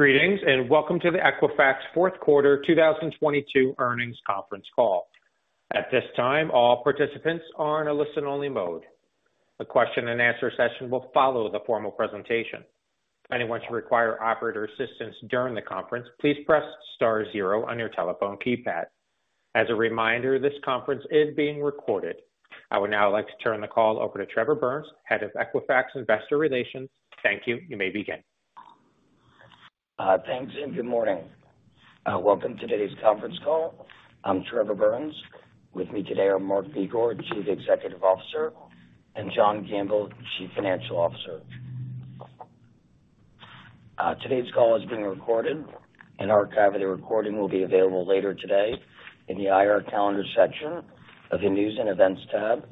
Greetings, welcome to the Equifax fourth quarter 2022 earnings conference call. At this time, all participants are in a listen-only mode. The question and answer session will follow the formal presentation. If anyone should require operator assistance during the conference, please press star zero on your telephone keypad. As a reminder, this conference is being recorded. I would now like to turn the call over to Trevor Burns, Head of Equifax Investor Relations. Thank you. You may begin. Thanks, good morning. Welcome to today's conference call. I'm Trevor Burns. With me today are Mark Begor, Chief Executive Officer, and John Gamble, Chief Financial Officer. Today's call is being recorded. An archive of the recording will be available later today in the IR Calendar section of the News and Events tab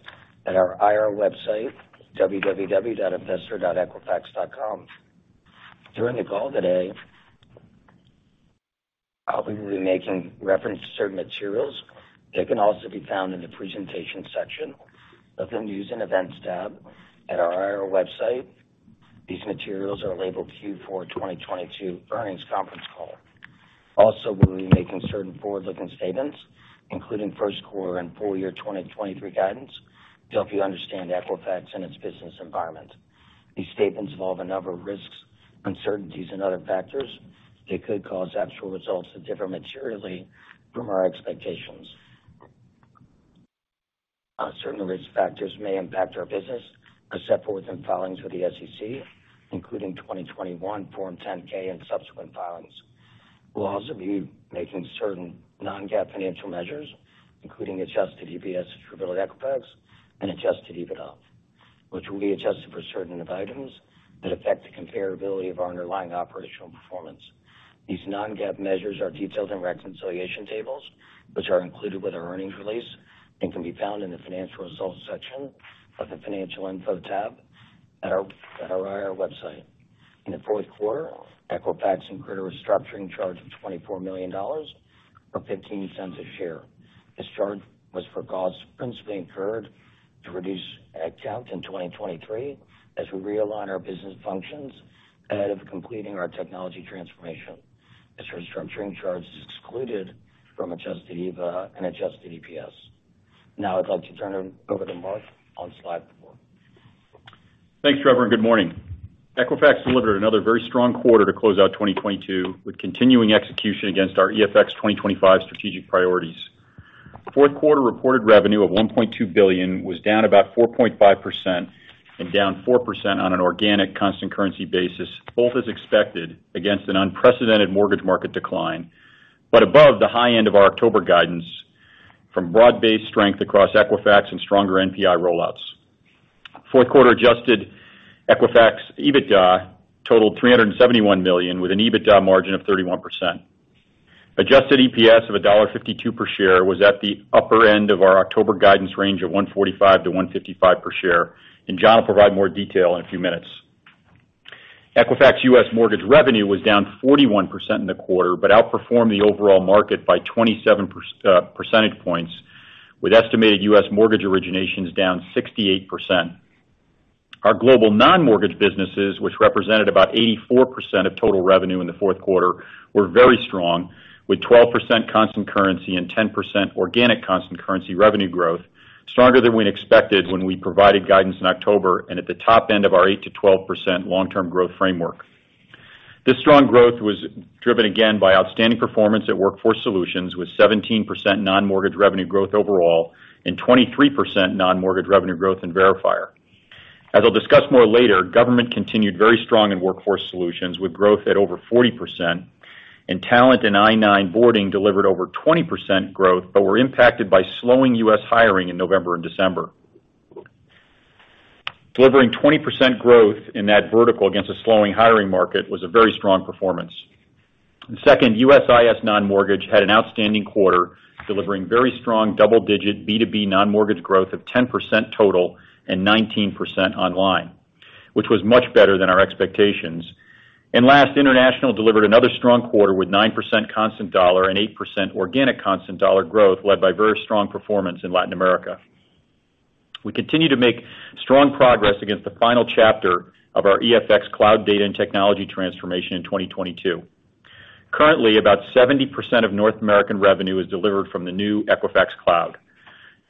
at our IR website, www.investor.equifax.com. During the call today, I'll be remaking reference to certain materials that can also be found in the Presentation section of the News and Events tab at our IR website. These materials are labeled Q4 2022 Earnings Conference Call. We'll be making certain forward-looking statements, including first quarter and full year 2023 guidance, to help you understand Equifax and its business environment. These statements involve a number of risks, uncertainties and other factors that could cause actual results to differ materially from our expectations. Certain risk factors may impact our business as set forth in filings with the SEC, including 2021 Form 10-K and subsequent filings. We'll also be making certain non-GAAP financial measures, including adjusted EPS attributed to Equifax and adjusted EBITDA, which will be adjusted for certain items that affect the comparability of our underlying operational performance. These non-GAAP measures are detailed in reconciliation tables, which are included with our earnings release and can be found in the Financial Results section of the Financial Info tab at our IR website. In the fourth quarter, Equifax incurred a restructuring charge of $24 million or $0.15 a share. This charge was for costs principally incurred to reduce our headcount in 2023 as we realign our business functions ahead of completing our technology transformation. This restructuring charge is excluded from adjusted EBITDA and adjusted EPS. Now I'd like to turn it over to Mark on slide four. Thanks, Trevor, and good morning. Equifax delivered another very strong quarter to close out 2022 with continuing execution against our EFX 2025 strategic priorities. Fourth quarter reported revenue of $1.2 billion was down about 4.5% and down 4% on an organic constant currency basis, both as expected against an unprecedented mortgage market decline, but above the high end of our October guidance from broad-based strength across Equifax and stronger NPI rollouts. Fourth quarter adjusted Equifax EBITDA totaled $371 million, with an EBITDA margin of 31%. Adjusted EPS of $1.52 per share was at the upper end of our October guidance range of $1.45-$1.55 per share, John will provide more detail in a few minutes. Equifax U.S. mortgage revenue was down 41% in the quarter, but outperformed the overall market by 27 percentage points, with estimated U.S. mortgage originations down 68%. Our global non-mortgage businesses, which represented about 84% of total revenue in the fourth quarter, were very strong, with 12% constant currency and 10% organic constant currency revenue growth, stronger than we'd expected when we provided guidance in October and at the top end of our 8%-12% long-term growth framework. This strong growth was driven again by outstanding performance at Workforce Solutions, with 17% non-mortgage revenue growth overall and 23% non-mortgage revenue growth in Verifier. As I'll discuss more later, government continued very strong in Workforce Solutions with growth at over 40%, and Talent and I-9 boarding delivered over 20% growth but were impacted by slowing U.S. hiring in November and December. Delivering 20% growth in that vertical against a slowing hiring market was a very strong performance. Second, USIS non-mortgage had an outstanding quarter, delivering very strong double-digit B2B non-mortgage growth of 10% total and 19% online, which was much better than our expectations. Last, International delivered another strong quarter with 9% constant dollar and 8% organic constant dollar growth led by very strong performance in Latin America. We continue to make strong progress against the final chapter of our EFX Cloud data and technology transformation in 2022. Currently, about 70% of North American revenue is delivered from the new Equifax Cloud.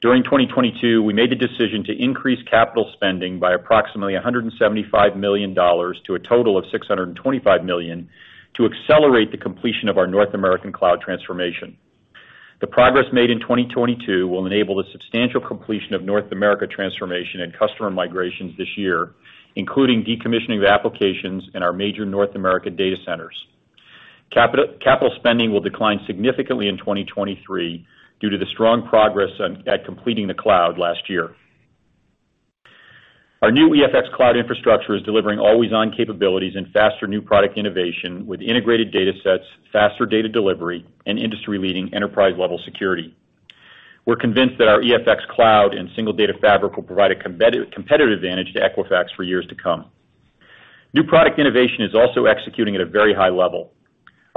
During 2022, we made the decision to increase capital spending by approximately $175 million to a total of $625 million to accelerate the completion of our North American cloud transformation. The progress made in 2022 will enable the substantial completion of North America transformation and customer migrations this year, including decommissioning of applications in our major North American data centers. Capital spending will decline significantly in 2023 due to the strong progress at completing the cloud last year. Our new EFX Cloud infrastructure is delivering always-on capabilities and faster new product innovation with integrated datasets, faster data delivery, and industry-leading enterprise-level security. We're convinced that our EFX Cloud and single data fabric will provide a competitive advantage to Equifax for years to come. New product innovation is also executing at a very high level.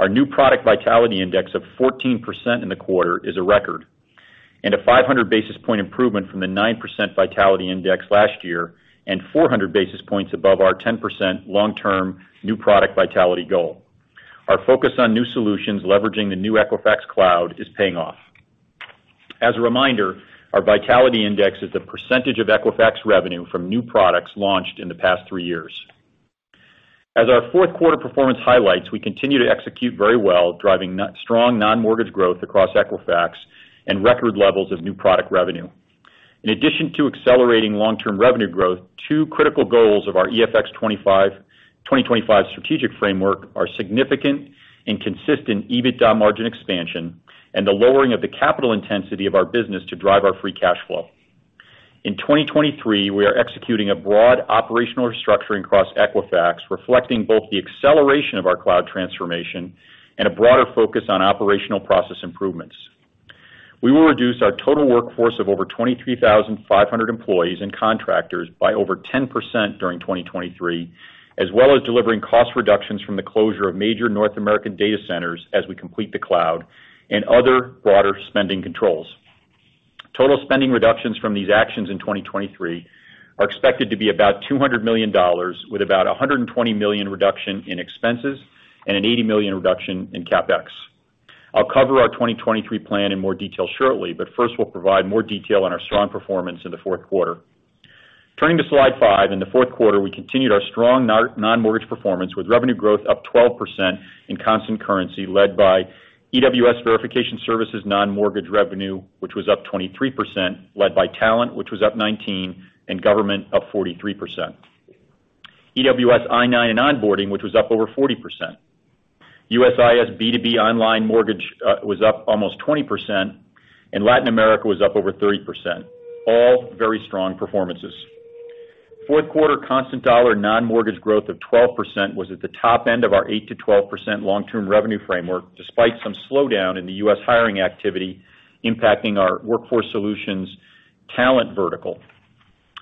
Our New Product Vitality Index of 14% in the quarter is a record. A 500 basis point improvement from the 9% Vitality Index last year and 400 basis points above our 10% long-term new product vitality goal. Our focus on new solutions leveraging the new Equifax Cloud is paying off. As a reminder, our Vitality Index is the percentage of Equifax revenue from new products launched in the past three years. As our fourth quarter performance highlights, we continue to execute very well, driving strong non-mortgage growth across Equifax and record levels of new product revenue. In addition to accelerating long-term revenue growth, two critical goals of our EFX 2025 strategic framework are significant and consistent EBITDA margin expansion and the lowering of the capital intensity of our business to drive our free cash flow. In 2023, we are executing a broad operational restructuring across Equifax, reflecting both the acceleration of our cloud transformation and a broader focus on operational process improvements. We will reduce our total workforce of over 23,500 employees and contractors by over 10% during 2023, as well as delivering cost reductions from the closure of major North American data centers as we complete the cloud and other broader spending controls. Total spending reductions from these actions in 2023 are expected to be about $200 million, with about a $120 million reduction in expenses and an $80 million reduction in CapEx. I'll cover our 2023 plan in more detail shortly. First, we'll provide more detail on our strong performance in the fourth quarter. Turning to slide five. In the fourth quarter, we continued our strong non-mortgage performance, with revenue growth up 12% in constant currency, led by EWS Verification Services non-mortgage revenue, which was up 23%, led by Talent, which was up 19% and government up 43%. EWS I-9 and Onboarding, which was up over 40%. USIS B2B online mortgage was up almost 20%, and Latin America was up over 30%. All very strong performances. Fourth quarter constant dollar non-mortgage growth of 12% was at the top end of our 8%-12% long-term revenue framework despite some slowdown in the U.S. hiring activity impacting our Workforce Solutions Talent vertical.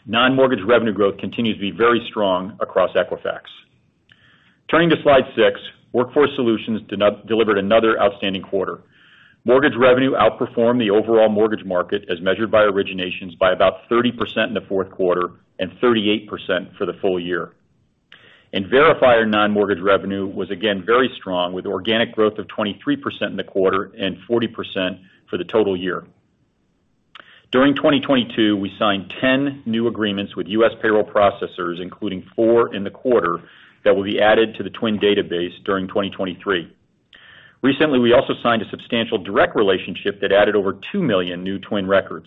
Non-mortgage revenue growth continues to be very strong across Equifax. Turning to slide six. Workforce Solutions de-delivered another outstanding quarter. Mortgage revenue outperformed the overall mortgage market as measured by originations by about 30% in the fourth quarter and 38% for the full year. In Verify, our non-mortgage revenue was again very strong, with organic growth of 23% in the quarter and 40% for the total year. During 2022, we signed 10 new agreements with U.S. payroll processors, including four in the quarter, that will be added to the TWN database during 2023. Recently, we also signed a substantial direct relationship that added over 2 million new TWN records.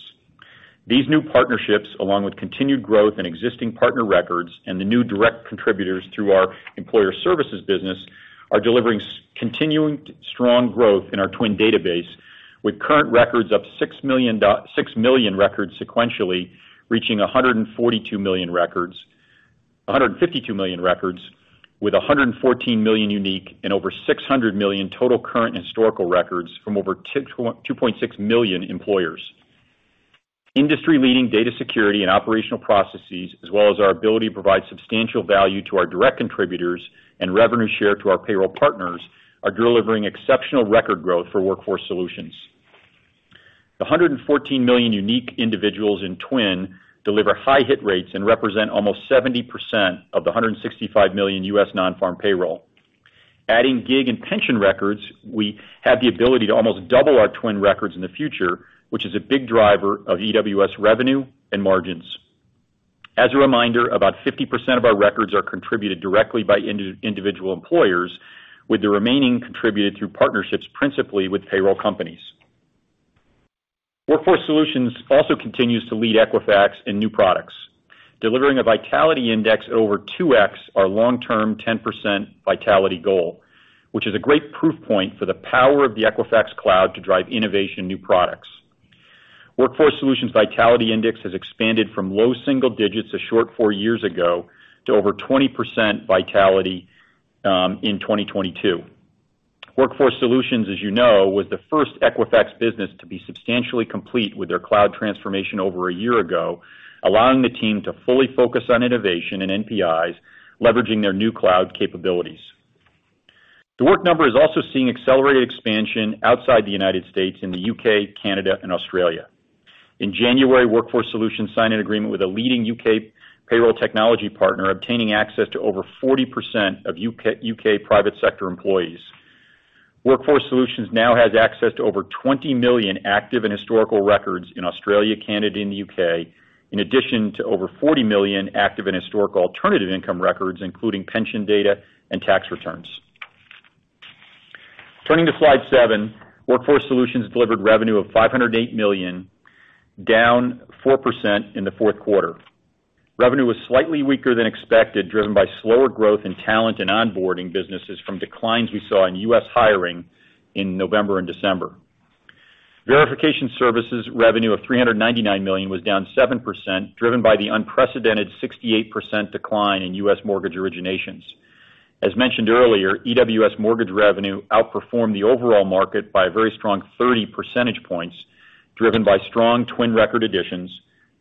These new partnerships, along with continued growth in existing partner records and the new direct contributors through our Employer Services business, are delivering continuing strong growth in our TWN database, with current records up 6 million records sequentially, reaching 142 million records—152 million records with 114 million unique and over 600 million total current historical records from over 2.6 million employers. Industry-leading data security and operational processes, as well as our ability to provide substantial value to our direct contributors and revenue share to our payroll partners, are delivering exceptional record growth for Workforce Solutions. The 114 million unique individuals in TWN deliver high hit rates and represent almost 70% of the 165 million U.S. nonfarm payroll. Adding gig and pension records, we have the ability to almost double our TWN records in the future, which is a big driver of EWS revenue and margins. As a reminder, about 50% of our records are contributed directly by individual employers, with the remaining contributed through partnerships, principally with payroll companies. Workforce Solutions continues to lead Equifax in new products. Delivering a Vitality Index over 2x, our long-term 10% vitality goal, which is a great proof point for the power of the Equifax Cloud to drive innovation in new products. Workforce Solutions Vitality Index has expanded from low single digits a short four years ago to over 20% vitality in 2022. Workforce Solutions, as you know, was the first Equifax business to be substantially complete with their cloud transformation over a year ago, allowing the team to fully focus on innovation and NPIs, leveraging their new cloud capabilities. The Work Number is also seeing accelerated expansion outside the United States in the U.K., Canada, and Australia. In January, Workforce Solutions signed an agreement with a leading U.K. payroll technology partner, obtaining access to over 40% of U.K. private sector employees. Workforce Solutions now has access to over 20 million active and historical records in Australia, Canada, and the U.K., in addition to over 40 million active and historical alternative income records, including pension data and tax returns. Turning to slide seven. Workforce Solutions delivered revenue of $508 million, down 4% in the fourth quarter. Revenue was slightly weaker than expected, driven by slower growth in talent and onboarding businesses from declines we saw in U.S. hiring in November and December. Verification Services revenue of $399 million was down 7%, driven by the unprecedented 68% decline in U.S. mortgage originations. As mentioned earlier, EWS mortgage revenue outperformed the overall market by a very strong 30 percentage points, driven by strong TWN record additions,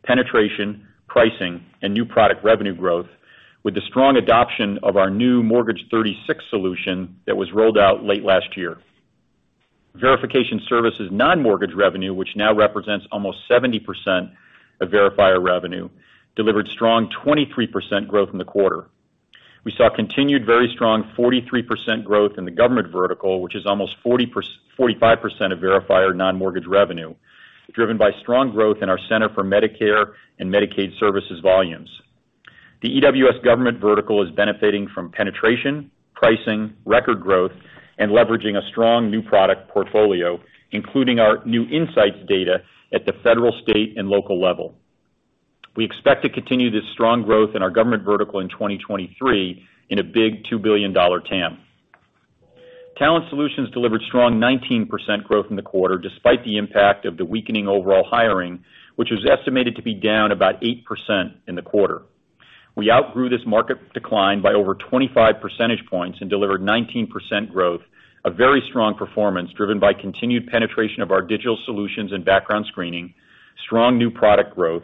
penetration, pricing, and new product revenue growth with the strong adoption of our new Mortgage36 solution that was rolled out late last year. Verification Services non-mortgage revenue, which now represents almost 70% of Verifier revenue, delivered strong 23% growth in the quarter. We saw continued very strong 43% growth in the government vertical, which is almost 45% of Verifier non-mortgage revenue, driven by strong growth in our Centers for Medicare and Medicaid Services volumes. The EWS government vertical is benefiting from penetration, pricing, record growth, and leveraging a strong new product portfolio, including our new insights data at the federal, state, and local level. We expect to continue this strong growth in our government vertical in 2023 in a big $2 billion TAM. Talent Solutions delivered strong 19% growth in the quarter, despite the impact of the weakening overall hiring, which was estimated to be down about 8% in the quarter. We outgrew this market decline by over 25 percentage points and delivered 19% growth, a very strong performance driven by continued penetration of our digital solutions and background screening, strong new product growth,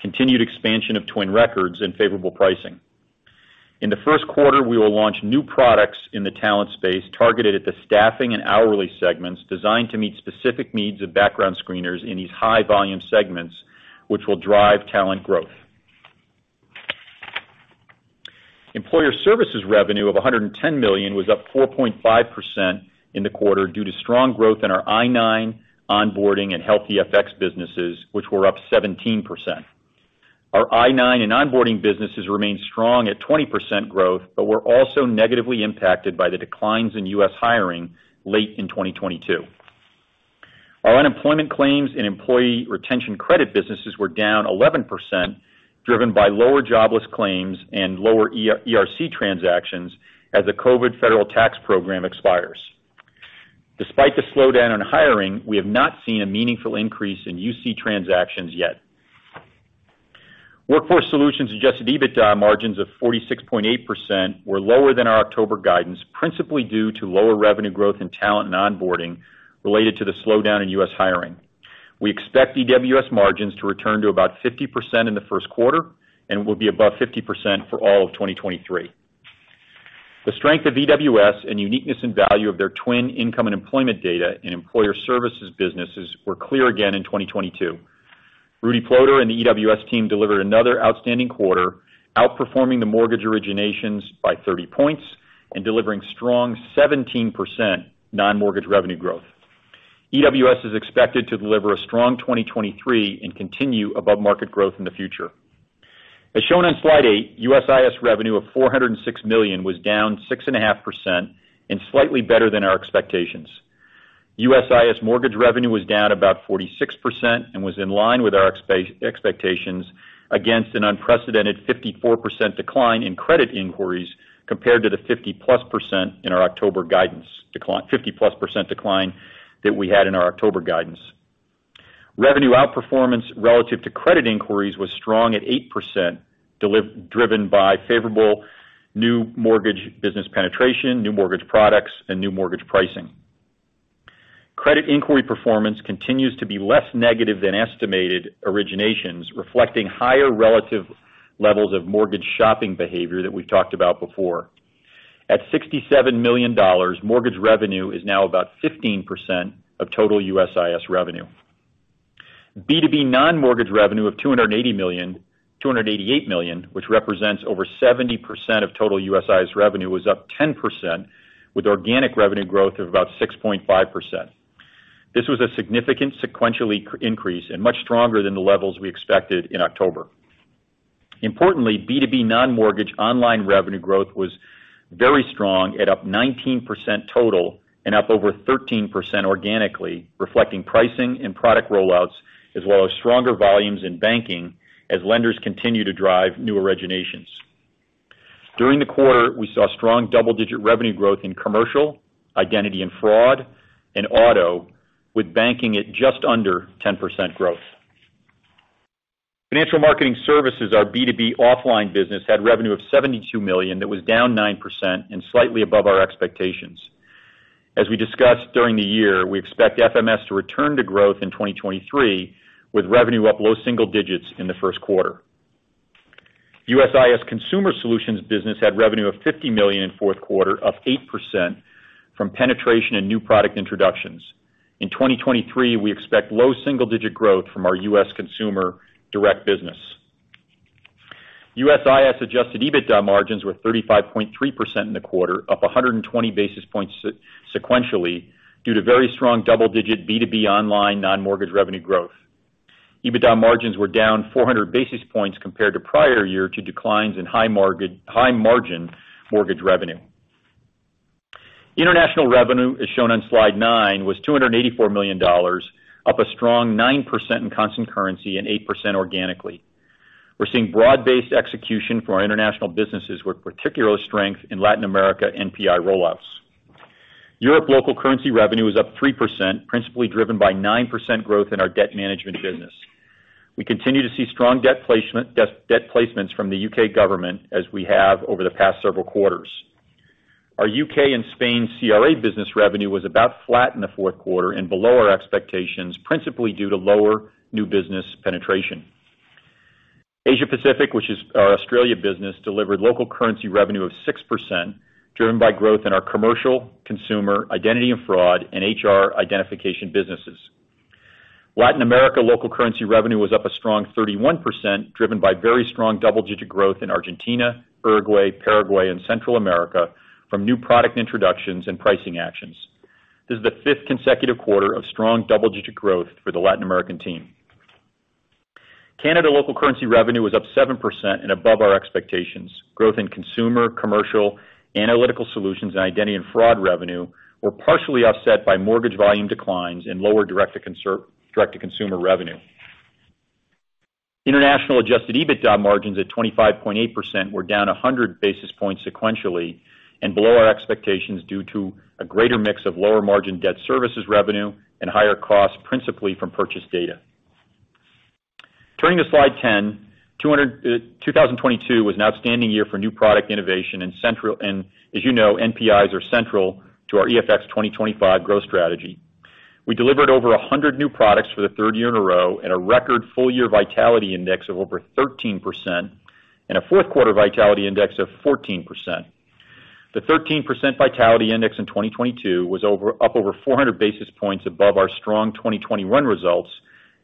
continued expansion of TWN records and favorable pricing. In the first quarter, we will launch new products in the talent space targeted at the staffing and hourly segments designed to meet specific needs of background screeners in these high volume segments, which will drive talent growth. Employer Services revenue of $110 million was up 4.5% in the quarter due to strong growth in our I-9, Onboarding, and Health e(fx) businesses, which were up 17%. Our I-9 and Onboarding businesses remain strong at 20% growth, but were also negatively impacted by the declines in U.S. hiring late in 2022. Our unemployment claims and Employee Retention Credit businesses were down 11%, driven by lower jobless claims and lower ERC transactions as the COVID federal tax program expires. Despite the slowdown in hiring, we have not seen a meaningful increase in UC transactions yet. Workforce Solutions adjusted EBITDA margins of 46.8% were lower than our October guidance, principally due to lower revenue growth in talent and onboarding related to the slowdown in U.S. hiring. We expect EWS margins to return to about 50% in the first quarter and will be above 50% for all of 2023. The strength of EWS and uniqueness and value of their TWN income and employment data and Employer Services businesses were clear again in 2022. Rudy Ploder and the EWS team delivered another outstanding quarter, outperforming the mortgage originations by 30 points and delivering strong 17% non-mortgage revenue growth. EWS is expected to deliver a strong 2023 and continue above-market growth in the future. As shown on slide eight, USIS revenue of $406 million was down 6.5% and slightly better than our expectations. USIS mortgage revenue was down about 46% and was in line with our expectations against an unprecedented 54% decline in credit inquiries compared to the 50%+ decline that we had in our October guidance. Revenue outperformance relative to credit inquiries was strong at 8%, driven by favorable new mortgage business penetration, new mortgage products, and new mortgage pricing. Credit inquiry performance continues to be less negative than estimated originations, reflecting higher relative levels of mortgage shopping behavior that we've talked about before. At $67 million, mortgage revenue is now about 15% of total USIS revenue. B2B non-mortgage revenue of $288 million, which represents over 70% of total USIS revenue, was up 10%, with organic revenue growth of about 6.5%. This was a significant sequential increase and much stronger than the levels we expected in October. B2B non-mortgage online revenue growth was very strong at up 19% total and up over 13% organically, reflecting pricing and product rollouts as well as stronger volumes in banking as lenders continue to drive new originations. During the quarter, we saw strong double-digit revenue growth in commercial, identity and fraud, and auto, with banking at just under 10% growth. Financial Marketing Services, our B2B offline business, had revenue of $72 million that was down 9% and slightly above our expectations. As we discussed during the year, we expect FMS to return to growth in 2023, with revenue up low single digits in the first quarter. USIS Consumer Solutions business had revenue of $50 million in fourth quarter, up 8% from penetration and new product introductions. In 2023, we expect low single-digit growth from our U.S. consumer direct business. USIS adjusted EBITDA margins were 35.3% in the quarter, up 120 basis points sequentially due to very strong double-digit B2B online non-mortgage revenue growth. EBITDA margins were down 400 basis points compared to prior year to declines in high margin mortgage revenue. International revenue, as shown on slide nine, was $284 million, up a strong 9% in constant currency and 8% organically. We're seeing broad-based execution for our international businesses, with particular strength in Latin America NPI rollouts. Europe local currency revenue was up 3%, principally driven by 9% growth in our Debt Management business. We continue to see strong debt placements from the U.K. government as we have over the past several quarters. Our U.K. and Spain CRA business revenue was about flat in the Q4 and below our expectations, principally due to lower new business penetration. Asia Pacific, which is our Australia business, delivered local currency revenue of 6%, driven by growth in our commercial consumer identity and fraud and HR identification businesses. Latin America local currency revenue was up a strong 31%, driven by very strong double-digit growth in Argentina, Uruguay, Paraguay and Central America from new product introductions and pricing actions. This is the fifth consecutive quarter of strong double-digit growth for the Latin American team. Canada local currency revenue was up 7% and above our expectations. Growth in consumer, commercial, analytical solutions, and identity and fraud revenue were partially offset by mortgage volume declines and lower direct to consumer revenue. International adjusted EBITDA margins at 25.8% were down 100 basis points sequentially and below our expectations due to a greater mix of lower margin debt services revenue and higher costs, principally from purchase data. Turning to slide 10, 2022 was an outstanding year for new product innovation and as you know, NPIs are central to our EFX 2025 growth strategy. We delivered over 100 new products for the third year in a row at a record full year Vitality Index of over 13% and a fourth quarter Vitality Index of 14%. The 13% Vitality Index in 2022 was up over 400 basis points above our strong 2021 results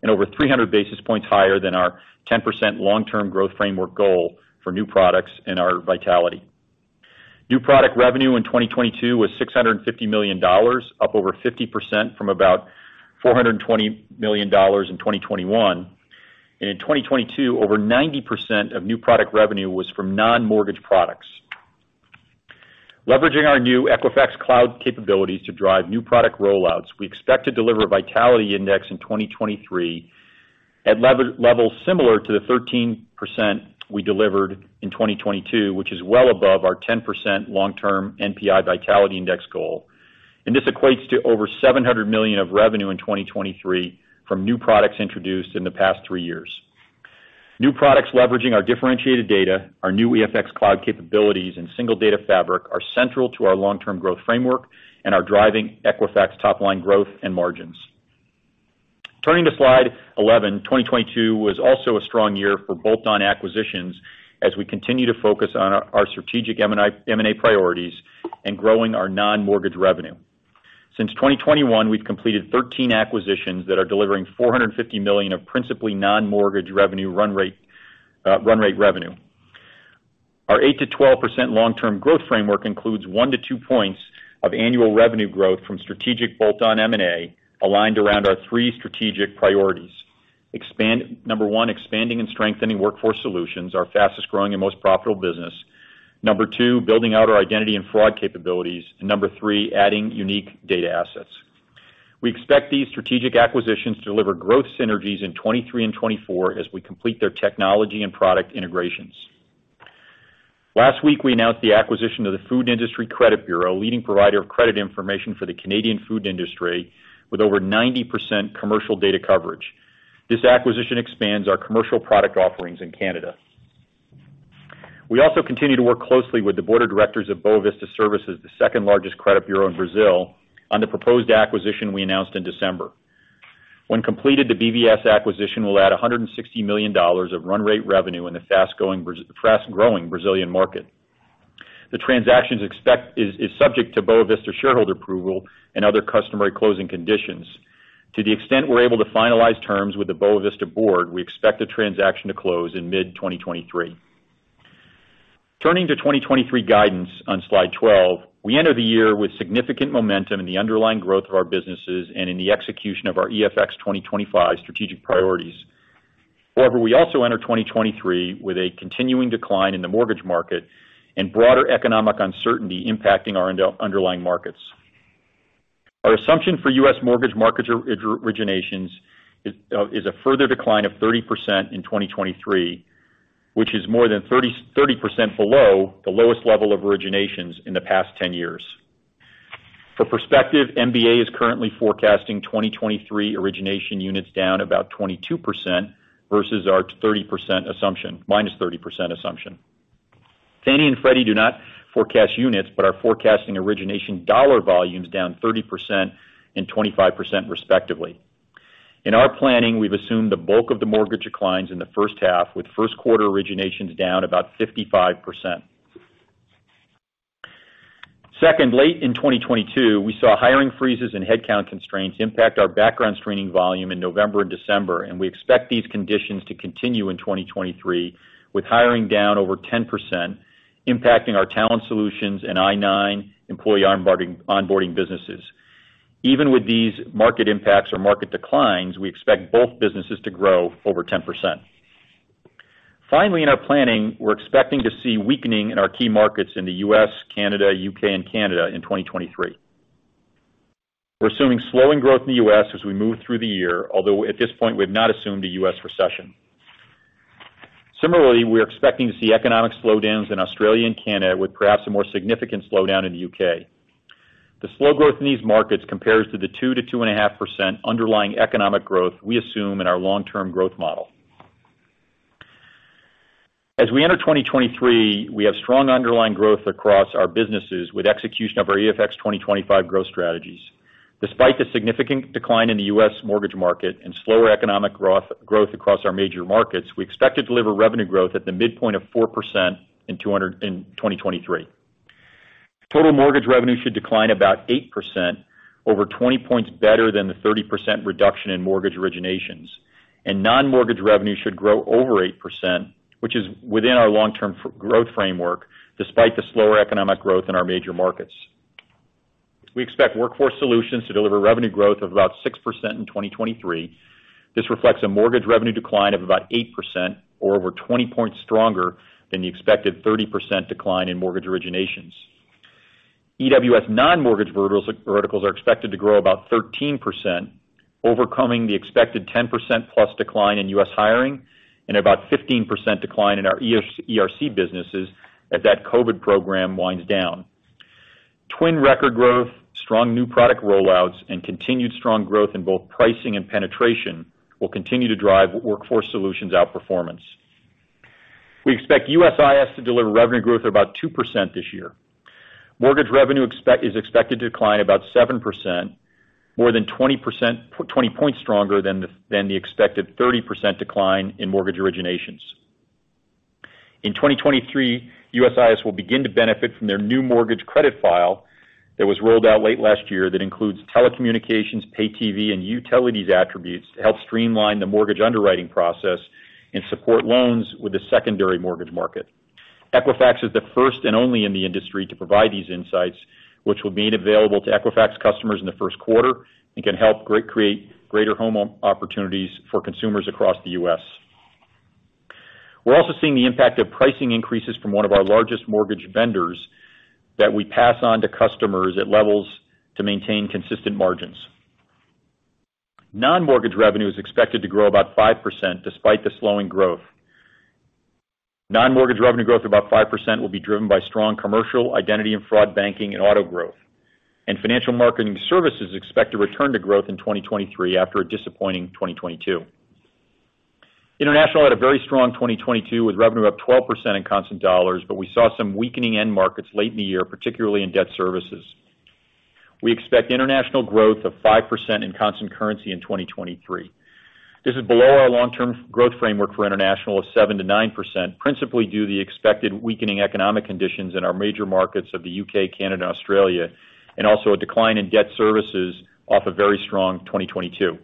and over 300 basis points higher than our 10% long-term growth framework goal for new products in our vitality. New product revenue in 2022 was $650 million, up over 50% from about $420 million in 2021. In 2022, over 90% of new product revenue was from non-mortgage products. Leveraging our new Equifax Cloud capabilities to drive new product rollouts, we expect to deliver a Vitality Index in 2023 at level similar to the 13% we delivered in 2022, which is well above our 10% long-term NPI Vitality Index goal. This equates to over $700 million of revenue in 2023 from new products introduced in the past three years. New products leveraging our differentiated data, our new EFX Cloud capabilities and single data fabric are central to our long-term growth framework and are driving Equifax top line growth and margins. Turning to slide 11. 2022 was also a strong year for bolt-on acquisitions as we continue to focus on our strategic M&A priorities and growing our non-mortgage revenue. Since 2021, we've completed 13 acquisitions that are delivering $450 million of principally non-mortgage revenue run rate revenue. Our 8%-12% long-term growth framework includes 1 to 2 points of annual revenue growth from strategic bolt-on M&A aligned around our three strategic priorities. Number one, expanding and strengthening Workforce Solutions, our fastest growing and most profitable business. Number two, building out our identity and fraud capabilities. Number three, adding unique data assets. We expect these strategic acquisitions to deliver growth synergies in 2023 and 2024 as we complete their technology and product integrations. Last week, we announced the acquisition of The Food Industry Credit Bureau, a leading provider of credit information for the Canadian food industry with over 90% commercial data coverage. This acquisition expands our commercial product offerings in Canada. We also continue to work closely with the board of directors of Boa Vista Serviços, the second-largest credit bureau in Brazil, on the proposed acquisition we announced in December. When completed, the BVS acquisition will add $160 million of run rate revenue in the fast-growing Brazilian market. The transaction is subject to Boa Vista shareholder approval and other customary closing conditions. To the extent we're able to finalize terms with the Boa Vista board, we expect the transaction to close in mid-2023. Turning to 2023 guidance on slide 12. We enter the year with significant momentum in the underlying growth of our businesses and in the execution of our EFX 2025 strategic priorities. We also enter 2023 with a continuing decline in the mortgage market and broader economic uncertainty impacting our underlying markets. Our assumption for U.S. mortgage market originations is a further decline of 30% in 2023, which is more than 30% below the lowest level of originations in the past 10 years. For perspective, MBA is currently forecasting 2023 origination units down about 22% versus our 30% assumption - 30% assumption. Fannie and Freddie do not forecast units, but are forecasting origination dollar volumes down 30% and 25% respectively. In our planning, we've assumed the bulk of the mortgage declines in the first half, with first quarter originations down about 55%. Second, late in 2022, we saw hiring freezes and headcount constraints impact our background screening volume in November and December, and we expect these conditions to continue in 2023, with hiring down over 10% impacting our Talent Solutions and I-9 Employee Onboarding businesses. Even with these market impacts or market declines, we expect both businesses to grow over 10%. Finally, in our planning, we're expecting to see weakening in our key markets in the U.S., Canada, U.K., and Canada in 2023. We're assuming slowing growth in the U.S. as we move through the year, although at this point, we have not assumed a U.S. recession. Similarly, we're expecting to see economic slowdowns in Australia and Canada, with perhaps a more significant slowdown in the U.K. The slow growth in these markets compares to the 2% to 2.5% underlying economic growth we assume in our long-term growth model. As we enter 2023, we have strong underlying growth across our businesses with execution of our EFX 2025 growth strategies. Despite the significant decline in the U.S. mortgage market and slower economic growth across our major markets, we expect to deliver revenue growth at the midpoint of 4% in 2023. Total mortgage revenue should decline about 8% over 20 points better than the 30% reduction in mortgage originations. Non-mortgage revenue should grow over 8%, which is within our long-term growth framework despite the slower economic growth in our major markets. We expect Workforce Solutions to deliver revenue growth of about 6% in 2023. This reflects a mortgage revenue decline of about 8% or over 20 points stronger than the expected 30% decline in mortgage originations. EWS non-mortgage verticals are expected to grow about 13%, overcoming the expected 10%+ decline in U.S. hiring and about 15% decline in our ERC businesses as that COVID program winds down. TWN record growth, strong new product rollouts, and continued strong growth in both pricing and penetration will continue to drive Workforce Solutions outperformance. We expect USIS to deliver revenue growth of about 2% this year. Mortgage revenue is expected to decline about 7%, more than 20 points stronger than the expected 30% decline in mortgage originations. In 2023, USIS will begin to benefit from their new mortgage credit file that was rolled out late last year that includes telecommunications, pay TV, and utilities attributes to help streamline the mortgage underwriting process and support loans with the secondary mortgage market. Equifax is the first and only in the industry to provide these insights, which will be made available to Equifax customers in the first quarter and can help create greater opportunities for consumers across the U.S. We're also seeing the impact of pricing increases from one of our largest mortgage vendors that we pass on to customers at levels to maintain consistent margins. Non-mortgage revenue is expected to grow about 5% despite the slowing growth. Non-mortgage revenue growth of about 5% will be driven by strong commercial identity and fraud banking and auto growth. Financial Marketing Services expect to return to growth in 2023 after a disappointing 2022. International had a very strong 2022, with revenue up 12% in constant dollars, we saw some weakening end markets late in the year, particularly in debt services. We expect international growth of 5% in constant currency in 2023. This is below our long-term growth framework for international of 7%-9%, principally due to the expected weakening economic conditions in our major markets of the U.K., Canada, and Australia, and also a decline in debt services off a very strong 2022.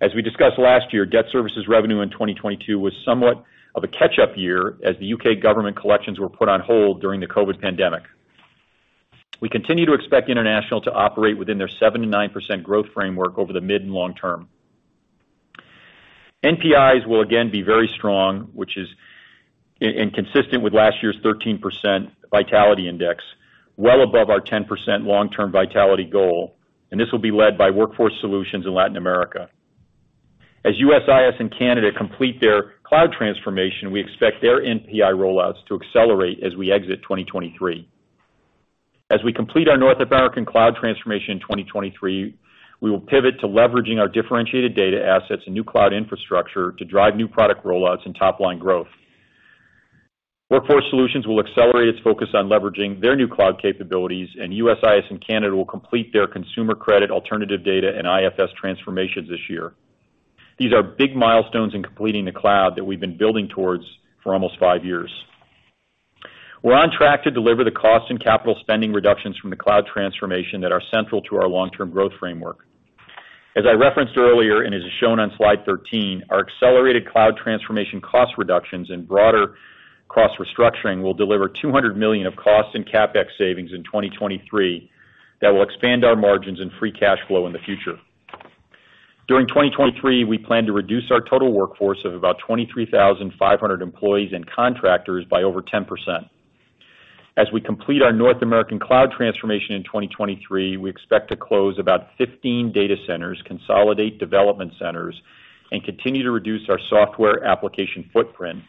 As we discussed last year, debt services revenue in 2022 was somewhat of a catch-up year as the U.K. government collections were put on hold during the COVID pandemic. We continue to expect international to operate within their 7%-9% growth framework over the mid and long term. NPIs will again be very strong, which is inconsistent with last year's 13% Vitality Index, well above our 10% long-term vitality goal, and this will be led by Workforce Solutions in Latin America. As USIS and Canada complete their cloud transformation, we expect their NPI rollouts to accelerate as we exit 2023. As we complete our North American cloud transformation in 2023, we will pivot to leveraging our differentiated data assets and new cloud infrastructure to drive new product rollouts and top-line growth. Workforce Solutions will accelerate its focus on leveraging their new cloud capabilities, and USIS and Canada will complete their consumer credit alternative data and IFS transformations this year. These are big milestones in completing the cloud that we've been building towards for almost five years. We're on track to deliver the cost and capital spending reductions from the cloud transformation that are central to our long-term growth framework. As I referenced earlier, as shown on slide 13, our accelerated cloud transformation cost reductions and broader cost restructuring will deliver $200 million of cost and CapEx savings in 2023 that will expand our margins and free cash flow in the future. During 2023, we plan to reduce our total workforce of about 23,500 employees and contractors by over 10%. As we complete our North American cloud transformation in 2023, we expect to close about 15 data centers, consolidate development centers, and continue to reduce our software application footprint.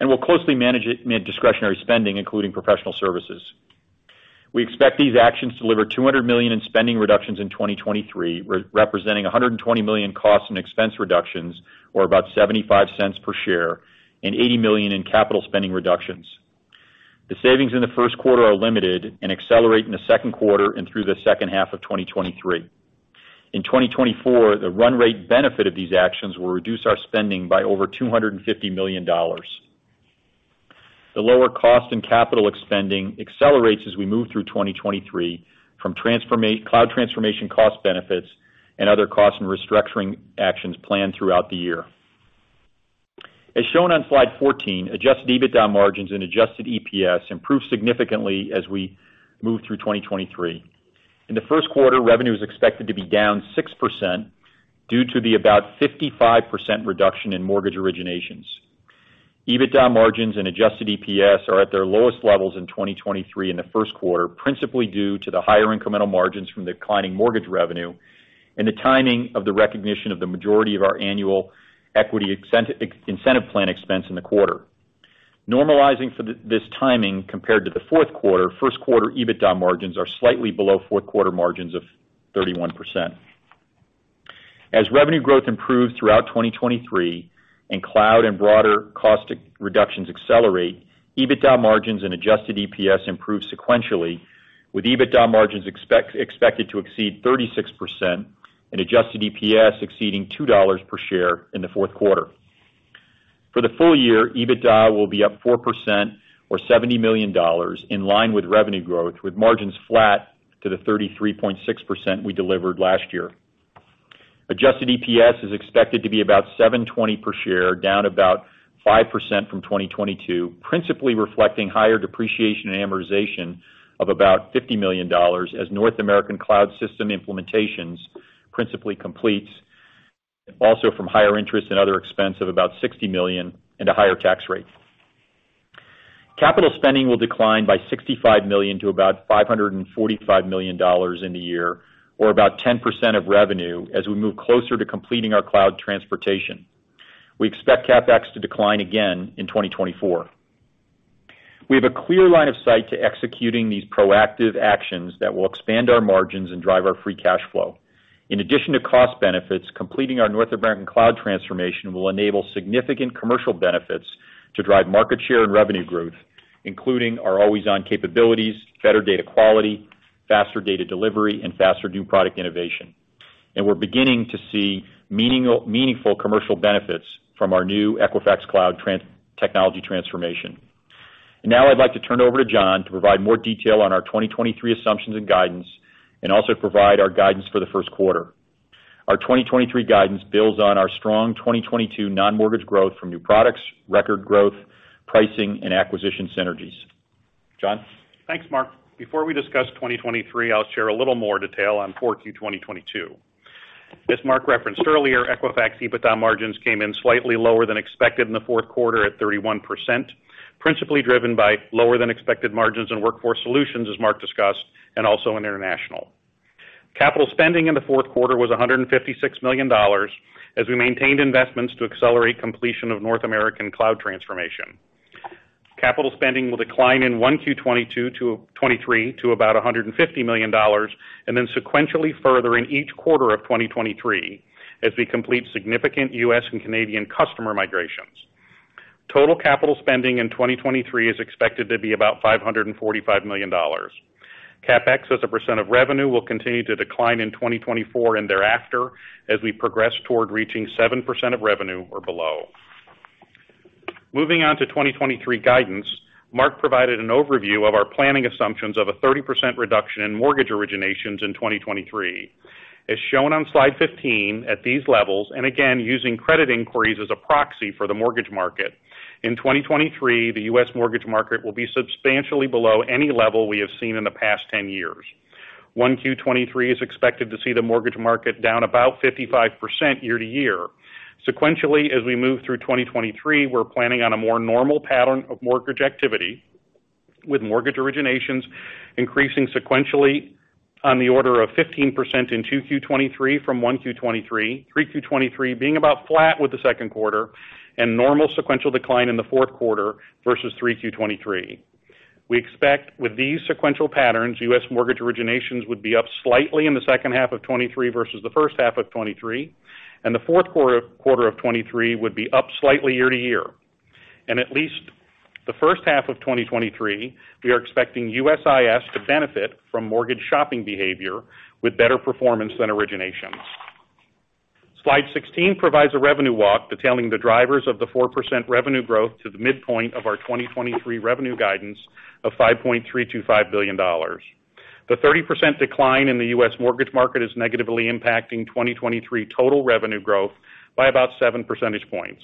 We'll closely manage it amid discretionary spending, including professional services. We expect these actions to deliver $200 million in spending reductions in 2023, representing $120 million costs and expense reductions, or about $0.75 per share, and $80 million in capital spending reductions. The savings in the first quarter are limited and accelerate in the second quarter and through the second half of 2023. In 2024, the run rate benefit of these actions will reduce our spending by over $250 million. The lower cost and capital expending accelerates as we move through 2023 from cloud transformation cost benefits and other cost and restructuring actions planned throughout the year. As shown on slide 14, adjusted EBITDA margins and adjusted EPS improve significantly as we move through 2023. In the first quarter, revenue is expected to be down 6% due to the about 55% reduction in mortgage originations. EBITDA margins and adjusted EPS are at their lowest levels in 2023 in the first quarter, principally due to the higher incremental margins from declining mortgage revenue and the timing of the recognition of the majority of our annual equity incentive plan expense in the quarter. Normalizing for this timing compared to the fourth quarter, first quarter EBITDA margins are slightly below fourth quarter margins of 31%. Revenue growth improves throughout 2023 and cloud and broader cost reductions accelerate, EBITDA margins and adjusted EPS improve sequentially, with EBITDA margins expected to exceed 36% and adjusted EPS exceeding $2 per share in the fourth quarter. For the full year, EBITDA will be up 4% or $70 million in line with revenue growth, with margins flat to the 33.6% we delivered last year. Adjusted EPS is expected to be about 7.20 per share, down about 5% from 2022, principally reflecting higher depreciation and amortization of about $50 million as North American cloud system implementations principally completes, also from higher interest and other expense of about $60 million and a higher tax rate. Capital spending will decline by $65 million to about $545 million in the year, or about 10% of revenue as we move closer to completing our cloud transportation. We expect CapEx to decline again in 2024. We have a clear line of sight to executing these proactive actions that will expand our margins and drive our free cash flow. In addition to cost benefits, completing our North American cloud transformation will enable significant commercial benefits to drive market share and revenue growth, including our always-on capabilities, better data quality, faster data delivery and faster new product innovation. We're beginning to see meaningful commercial benefits from our new Equifax Cloud technology transformation. I'd like to turn it over to John to provide more detail on our 2023 assumptions and guidance and also provide our guidance for the first quarter. Our 2023 guidance builds on our strong 2022 non-mortgage growth from new products, record growth, pricing and acquisition synergies. John? Thanks, Mark. Before we discuss 2023, I'll share a little more detail on 4Q 2022. As Mark referenced earlier, Equifax EBITDA margins came in slightly lower than expected in the fourth quarter at 31%, principally driven by lower than expected margins and Workforce Solutions, as Mark discussed, and also in international. Capital spending in the fourth quarter was $156 million as we maintained investments to accelerate completion of North American cloud transformation. Capital spending will decline in 1Q 2022 to 2023 to about $150 million and then sequentially further in each quarter of 2023 as we complete significant U.S. and Canadian customer migrations. Total capital spending in 2023 is expected to be about $545 million. CapEx as a percent of revenue will continue to decline in 2024 and thereafter as we progress toward reaching 7% of revenue or below. Moving on to 2023 guidance. Mark provided an overview of our planning assumptions of a 30% reduction in mortgage originations in 2023. As shown on slide 15 at these levels, and again using credit inquiries as a proxy for the mortgage market, in 2023, the U.S. mortgage market will be substantially below any level we have seen in the past 10 years. 1Q 2023 is expected to see the mortgage market down about 55% year-to-year. Sequentially, as we move through 2023, we're planning on a more normal pattern of mortgage activity, with mortgage originations increasing sequentially on the order of 15% in 2Q 2023 from 1Q 2023. 3Q 2023 being about flat with the second quarter and normal sequential decline in the fourth quarter versus 3Q 2023. We expect with these sequential patterns, U.S. mortgage originations would be up slightly in the second half of 2023 versus the first half of 2023, and the fourth quarter of 2023 would be up slightly year-over-year. At least the first half of 2023, we are expecting USIS to benefit from mortgage shopping behavior with better performance than originations. Slide 16 provides a revenue walk detailing the drivers of the 4% revenue growth to the midpoint of our 2023 revenue guidance of $5.325 billion. The 30% decline in the U.S. mortgage market is negatively impacting 2023 total revenue growth by about 7 percentage points.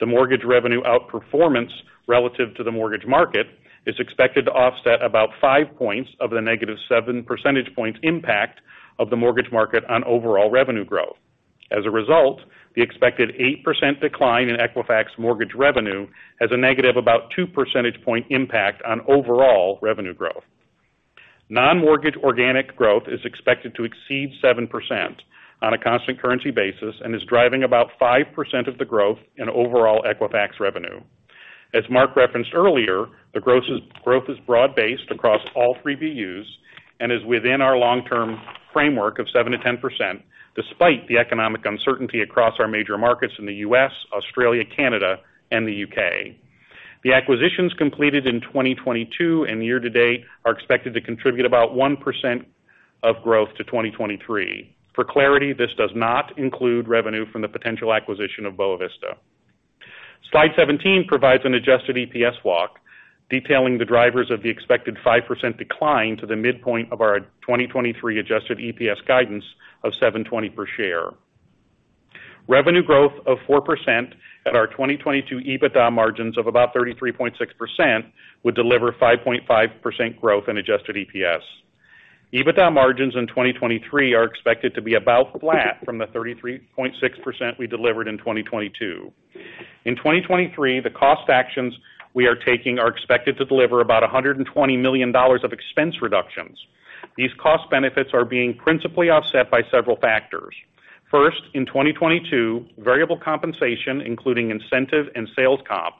The mortgage revenue outperformance relative to the mortgage market is expected to offset about 5 points of the -7 percentage points impact of the mortgage market on overall revenue growth. The expected 8% decline in Equifax mortgage revenue has a negative about 2 percentage point impact on overall revenue growth. Non-mortgage organic growth is expected to exceed 7% on a constant currency basis and is driving about 5% of the growth in overall Equifax revenue. As Mark referenced earlier, growth is broad based across all 3 BUs and is within our long term framework of 7%-10% despite the economic uncertainty across our major markets in the U.S., Australia, Canada, and the U.K. The acquisitions completed in 2022 and year-to-date are expected to contribute about 1% of growth to 2023. For clarity, this does not include revenue from the potential acquisition of Boa Vista. Slide 17 provides an adjusted EPS walk detailing the drivers of the expected 5% decline to the midpoint of our 2023 adjusted EPS guidance of $7.20 per share. Revenue growth of 4% at our 2022 EBITDA margins of about 33.6% would deliver 5.5% growth in adjusted EPS. EBITDA margins in 2023 are expected to be about flat from the 33.6% we delivered in 2022. In 2023, the cost actions we are taking are expected to deliver about $120 million of expense reductions. These cost benefits are being principally offset by several factors. First, in 2022, variable compensation, including incentive and sales comp.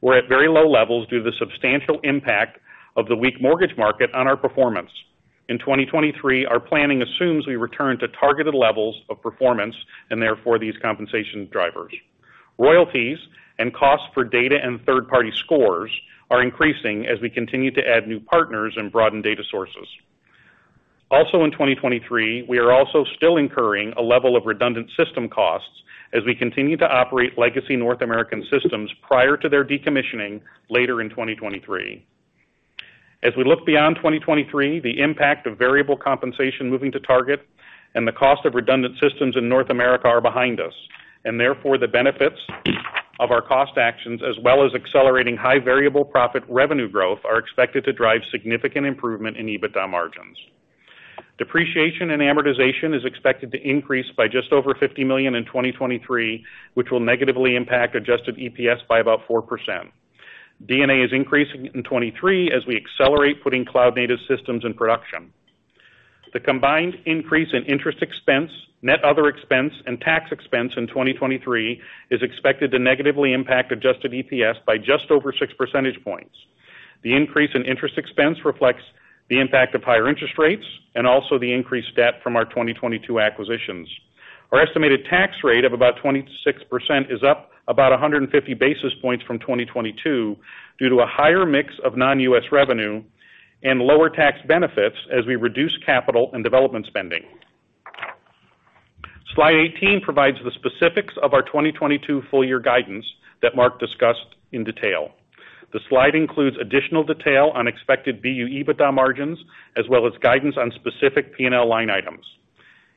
We're at very low levels due to the substantial impact of the weak mortgage market on our performance. In 2023, our planning assumes we return to targeted levels of performance and therefore these compensation drivers. Royalties and costs for data and third-party scores are increasing as we continue to add new partners and broaden data sources. In 2023, we are also still incurring a level of redundant system costs as we continue to operate legacy North American systems prior to their decommissioning later in 2023. As we look beyond 2023, the impact of variable compensation moving to target and the cost of redundant systems in North America are behind us. Therefore, the benefits of our cost actions, as well as accelerating high variable profit revenue growth, are expected to drive significant improvement in EBITDA margins. Depreciation and amortization is expected to increase by just over $50 million in 2023, which will negatively impact adjusted EPS by about 4%. D&A is increasing in 2023 as we accelerate putting cloud-native systems in production. The combined increase in interest expense, net other expense, and tax expense in 2023 is expected to negatively impact adjusted EPS by just over 6 percentage points. The increase in interest expense reflects the impact of higher interest rates and also the increased debt from our 2022 acquisitions. Our estimated tax rate of about 26% is up about 150 basis points from 2022 due to a higher mix of non-U.S. revenue and lower tax benefits as we reduce capital and development spending. Slide 18 provides the specifics of our 2022 full year guidance that Mark discussed in detail. The slide includes additional detail on expected BU EBITDA margins, as well as guidance on specific P&L line items.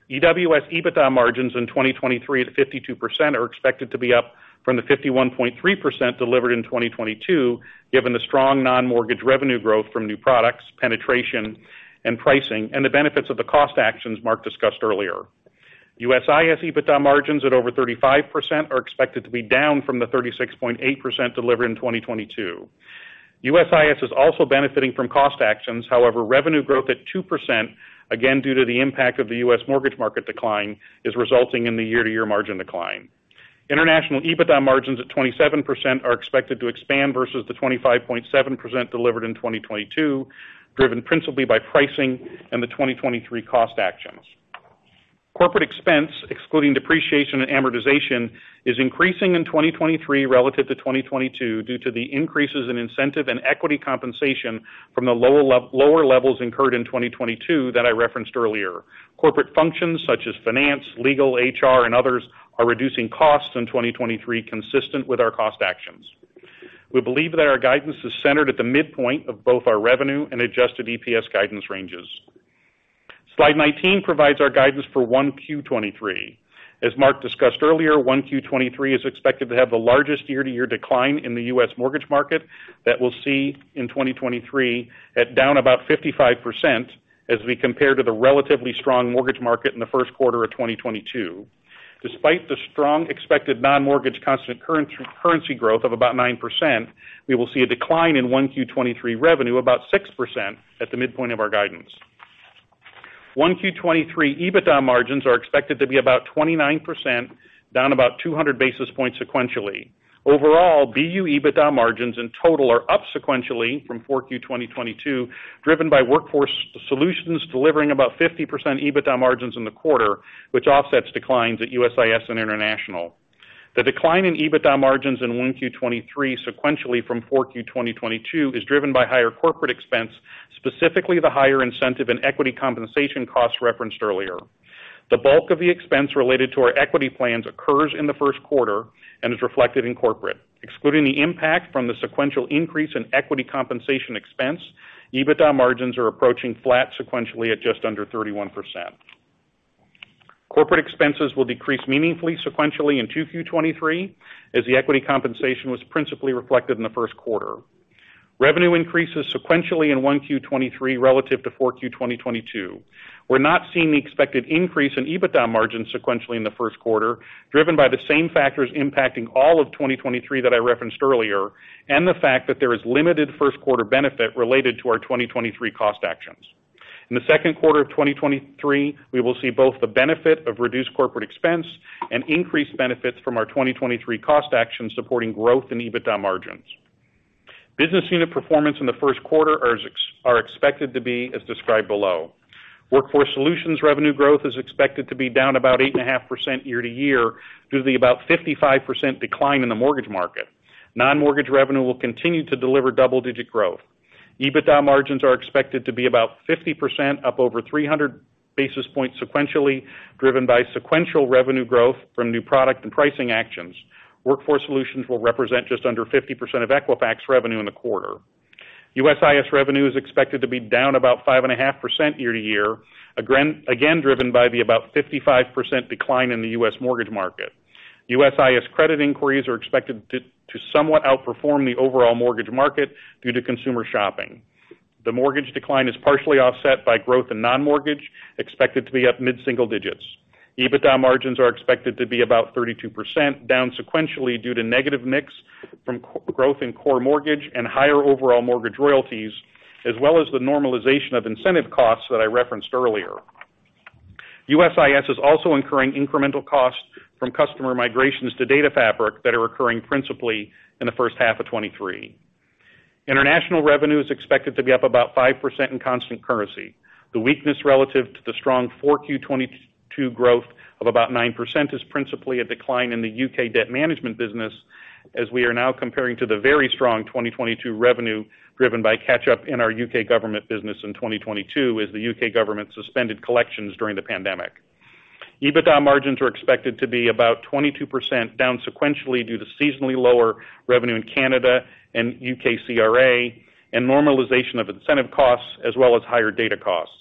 EWS EBITDA margins in 2023 at 52% are expected to be up from the 51.3% delivered in 2022, given the strong non-mortgage revenue growth from new products, penetration, and pricing, and the benefits of the cost actions Mark discussed earlier. USIS EBITDA margins at over 35% are expected to be down from the 36.8% delivered in 2022. USIS is also benefiting from cost actions. However, revenue growth at 2%, again, due to the impact of the U.S. mortgage market decline, is resulting in the year-over-year margin decline. International EBITDA margins at 27% are expected to expand versus the 25.7% delivered in 2022, driven principally by pricing and the 2023 cost actions. Corporate expense, excluding depreciation and amortization, is increasing in 2023 relative to 2022 due to the increases in incentive and equity compensation from the lower levels incurred in 2022 that I referenced earlier. Corporate functions such as finance, legal, HR, and others are reducing costs in 2023 consistent with our cost actions. We believe that our guidance is centered at the midpoint of both our revenue and adjusted EPS guidance ranges. Slide 19 provides our guidance for 1Q 2023. As Mark discussed earlier, 1Q 2023 is expected to have the largest year-over-year decline in the U.S. mortgage market that we'll see in 2023 at down about 55% as we compare to the relatively strong mortgage market in the first quarter of 2022. Despite the strong expected non-mortgage constant currency growth of about 9%, we will see a decline in 1Q 2023 revenue about 6% at the midpoint of our guidance. 1Q 2023 EBITDA margins are expected to be about 29%, down about 200 basis points sequentially. Overall, BU EBITDA margins in total are up sequentially from 4Q 2022, driven by Workforce Solutions delivering about 50% EBITDA margins in the quarter, which offsets declines at USIS and International. The decline in EBITDA margins in 1Q 2023 sequentially from 4Q 2022 is driven by higher corporate expense, specifically the higher incentive in equity compensation costs referenced earlier. The bulk of the expense related to our equity plans occurs in the first quarter and is reflected in corporate. Excluding the impact from the sequential increase in equity compensation expense, EBITDA margins are approaching flat sequentially at just under 31%. Corporate expenses will decrease meaningfully sequentially in 2Q 2023, as the equity compensation was principally reflected in the first quarter. Revenue increases sequentially in 1Q 2023 relative to 4Q 2022. We're not seeing the expected increase in EBITDA margins sequentially in the first quarter, driven by the same factors impacting all of 2023 that I referenced earlier, and the fact that there is limited first quarter benefit related to our 2023 cost actions. In the second quarter of 2023, we will see both the benefit of reduced corporate expense and increased benefits from our 2023 cost actions supporting growth in EBITDA margins. Business unit performance in the first quarter are expected to be as described below. Workforce Solutions revenue growth is expected to be down about 8.5% year-over-year due to the about 55% decline in the mortgage market. Non-mortgage revenue will continue to deliver double-digit growth. EBITDA margins are expected to be about 50%, up over 300 basis points sequentially, driven by sequential revenue growth from new product and pricing actions. Workforce Solutions will represent just under 50% of Equifax revenue in the quarter. USIS revenue is expected to be down about 5.5% year-to-year, again driven by the about 55% decline in the U.S. mortgage market. USIS credit inquiries are expected to somewhat outperform the overall mortgage market due to consumer shopping. The mortgage decline is partially offset by growth in non-mortgage, expected to be up mid-single digits. EBITDA margins are expected to be about 32%, down sequentially due to negative mix from growth in core mortgage and higher overall mortgage royalties, as well as the normalization of incentive costs that I referenced earlier. USIS is also incurring incremental costs from customer migrations to Data Fabric that are occurring principally in the first half of 2023. International revenue is expected to be up about 5% in constant currency. The weakness relative to the strong Q4 2022 growth of about 9% is principally a decline in the U.K. Debt Management business, as we are now comparing to the very strong 2022 revenue driven by catch-up in our U.K. government business in 2022 as the U.K. government suspended collections during the pandemic. EBITDA margins are expected to be about 22% down sequentially due to seasonally lower revenue in Canada and U.K. CRA and normalization of incentive costs as well as higher data costs.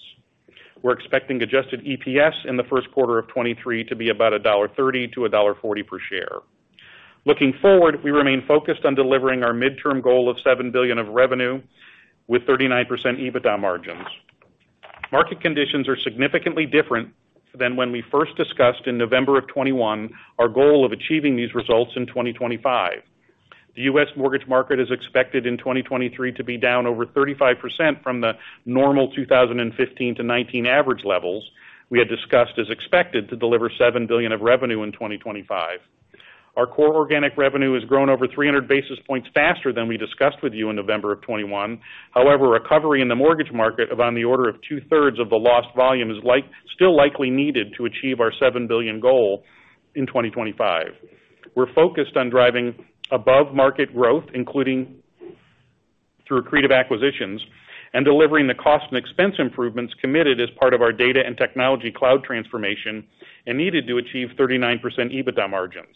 We're expecting adjusted EPS in the first quarter of 2023 to be about $1.30-$1.40 per share. Looking forward, we remain focused on delivering our midterm goal of $7 billion of revenue with 39% EBITDA margins. Market conditions are significantly different than when we first discussed in November of 2021 our goal of achieving these results in 2025. The U.S. mortgage market is expected in 2023 to be down over 35% from the normal 2015-19 average levels we had discussed as expected to deliver $7 billion of revenue in 2025. Our core organic revenue has grown over 300 basis points faster than we discussed with you in November 2021. However, recovery in the mortgage market of on the order of 2/3 of the lost volume is like, still likely needed to achieve our $7 billion goal in 2025. We're focused on driving above-market growth, including through accretive acquisitions and delivering the cost and expense improvements committed as part of our data and technology cloud transformation and needed to achieve 39% EBITDA margins.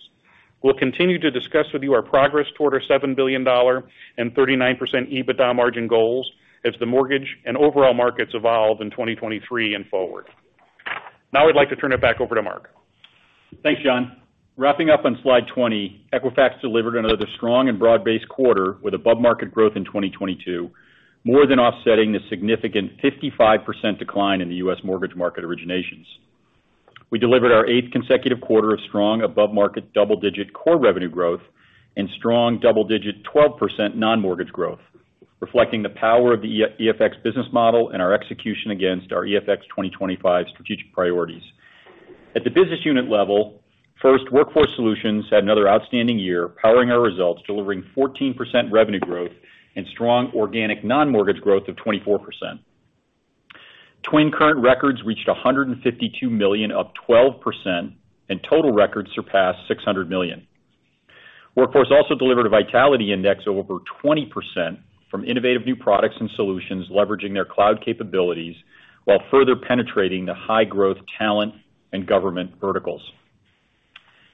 We'll continue to discuss with you our progress toward our $7 billion and 39% EBITDA margin goals as the mortgage and overall markets evolve in 2023 and forward. Now I'd like to turn it back over to Mark. Thanks, John. Wrapping up on slide 20, Equifax delivered another strong and broad-based quarter with above-market growth in 2022, more than offsetting the significant 55% decline in the U.S. mortgage market originations. We delivered our eighth consecutive quarter of strong above market double-digit core revenue growth and strong double-digit 12% non-mortgage growth, reflecting the power of the EFX business model and our execution against our EFX 2025 strategic priorities. At the business unit level, first, Workforce Solutions had another outstanding year powering our results, delivering 14% revenue growth and strong organic non-mortgage growth of 24%. TWN current records reached 152 million, up 12%, and total records surpassed 600 million. Workforce also delivered a Vitality Index over 20% from innovative new products and solutions leveraging their cloud capabilities while further penetrating the high-growth talent and government verticals.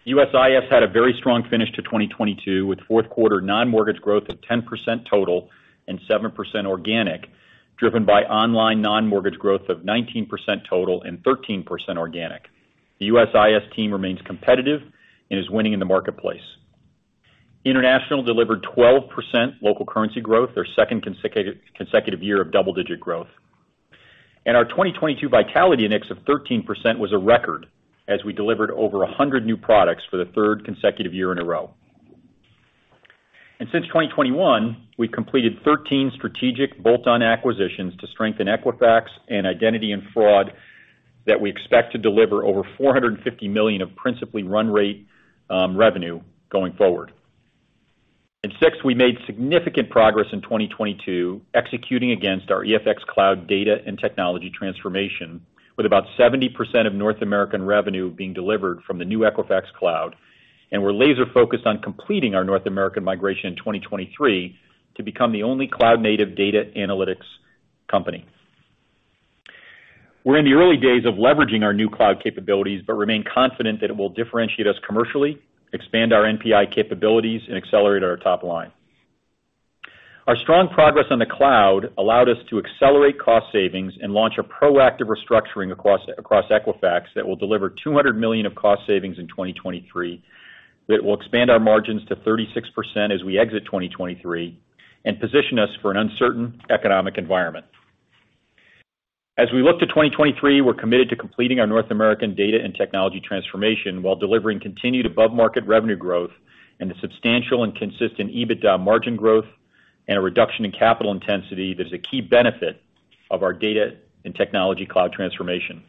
USIS had a very strong finish to 2022, with fourth quarter non-mortgage growth of 10% total and 7% organic, driven by online non-mortgage growth of 19% total and 13% organic. The USIS team remains competitive and is winning in the marketplace. International delivered 12% local currency growth, their second consecutive year of double-digit growth. Our 2022 Vitality Index of 13% was a record as we delivered over 100 new products for the third consecutive year in a row. Since 2021, we completed 13 strategic bolt-on acquisitions to strengthen Equifax and identity and fraud that we expect to deliver over $450 million of principally run rate revenue going forward. Six, we made significant progress in 2022 executing against our EFX Cloud data and technology transformation, with about 70% of North American revenue being delivered from the new Equifax Cloud. We're laser-focused on completing our North American migration in 2023 to become the only cloud-native data analytics company. We're in the early days of leveraging our new cloud capabilities, but remain confident that it will differentiate us commercially, expand our NPI capabilities, and accelerate our top line. Our strong progress on the cloud allowed us to accelerate cost savings and launch a proactive restructuring across Equifax that will deliver $200 million of cost savings in 2023, that will expand our margins to 36% as we exit 2023 and position us for an uncertain economic environment. We look to 2023, we're committed to completing our North American data and technology transformation while delivering continued above-market revenue growth and the substantial and consistent EBITDA margin growth and a reduction in capital intensity that is a key benefit of our data and technology cloud transformation.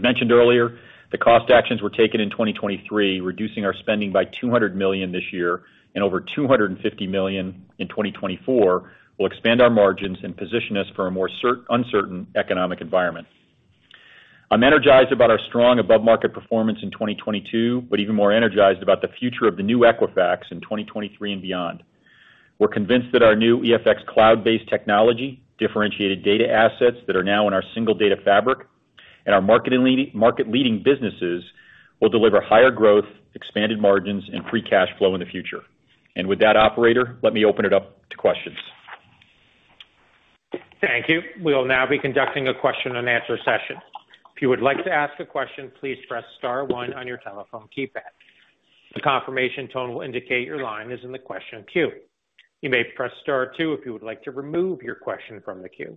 Mentioned earlier, the cost actions were taken in 2023, reducing our spending by $200 million this year and over $250 million in 2024, will expand our margins and position us for a more uncertain economic environment. I'm energized about our strong above-market performance in 2022, but even more energized about the future of the new Equifax in 2023 and beyond. We're convinced that our new EFX Cloud-based technology, differentiated data assets that are now in our single Data Fabric, and our market-leading businesses will deliver higher growth, expanded margins, and free cash flow in the future. With that, operator, let me open it up to questions. Thank you. We will now be conducting a question and answer session. If you would like to ask a question, please press star one on your telephone keypad. The confirmation tone will indicate your line is in the question queue. You may press star two if you would like to remove your question from the queue.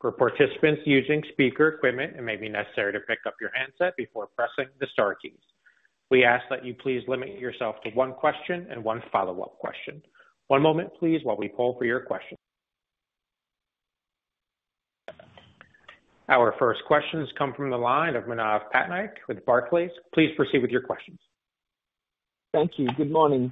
For participants using speaker equipment, it may be necessary to pick up your handset before pressing the star keys. We ask that you please limit yourself to one question and one follow-up question. One moment please while we poll for your questions. Our first questions come from the line of Manav Patnaik with Barclays. Please proceed with your questions. Thank you. Good morning.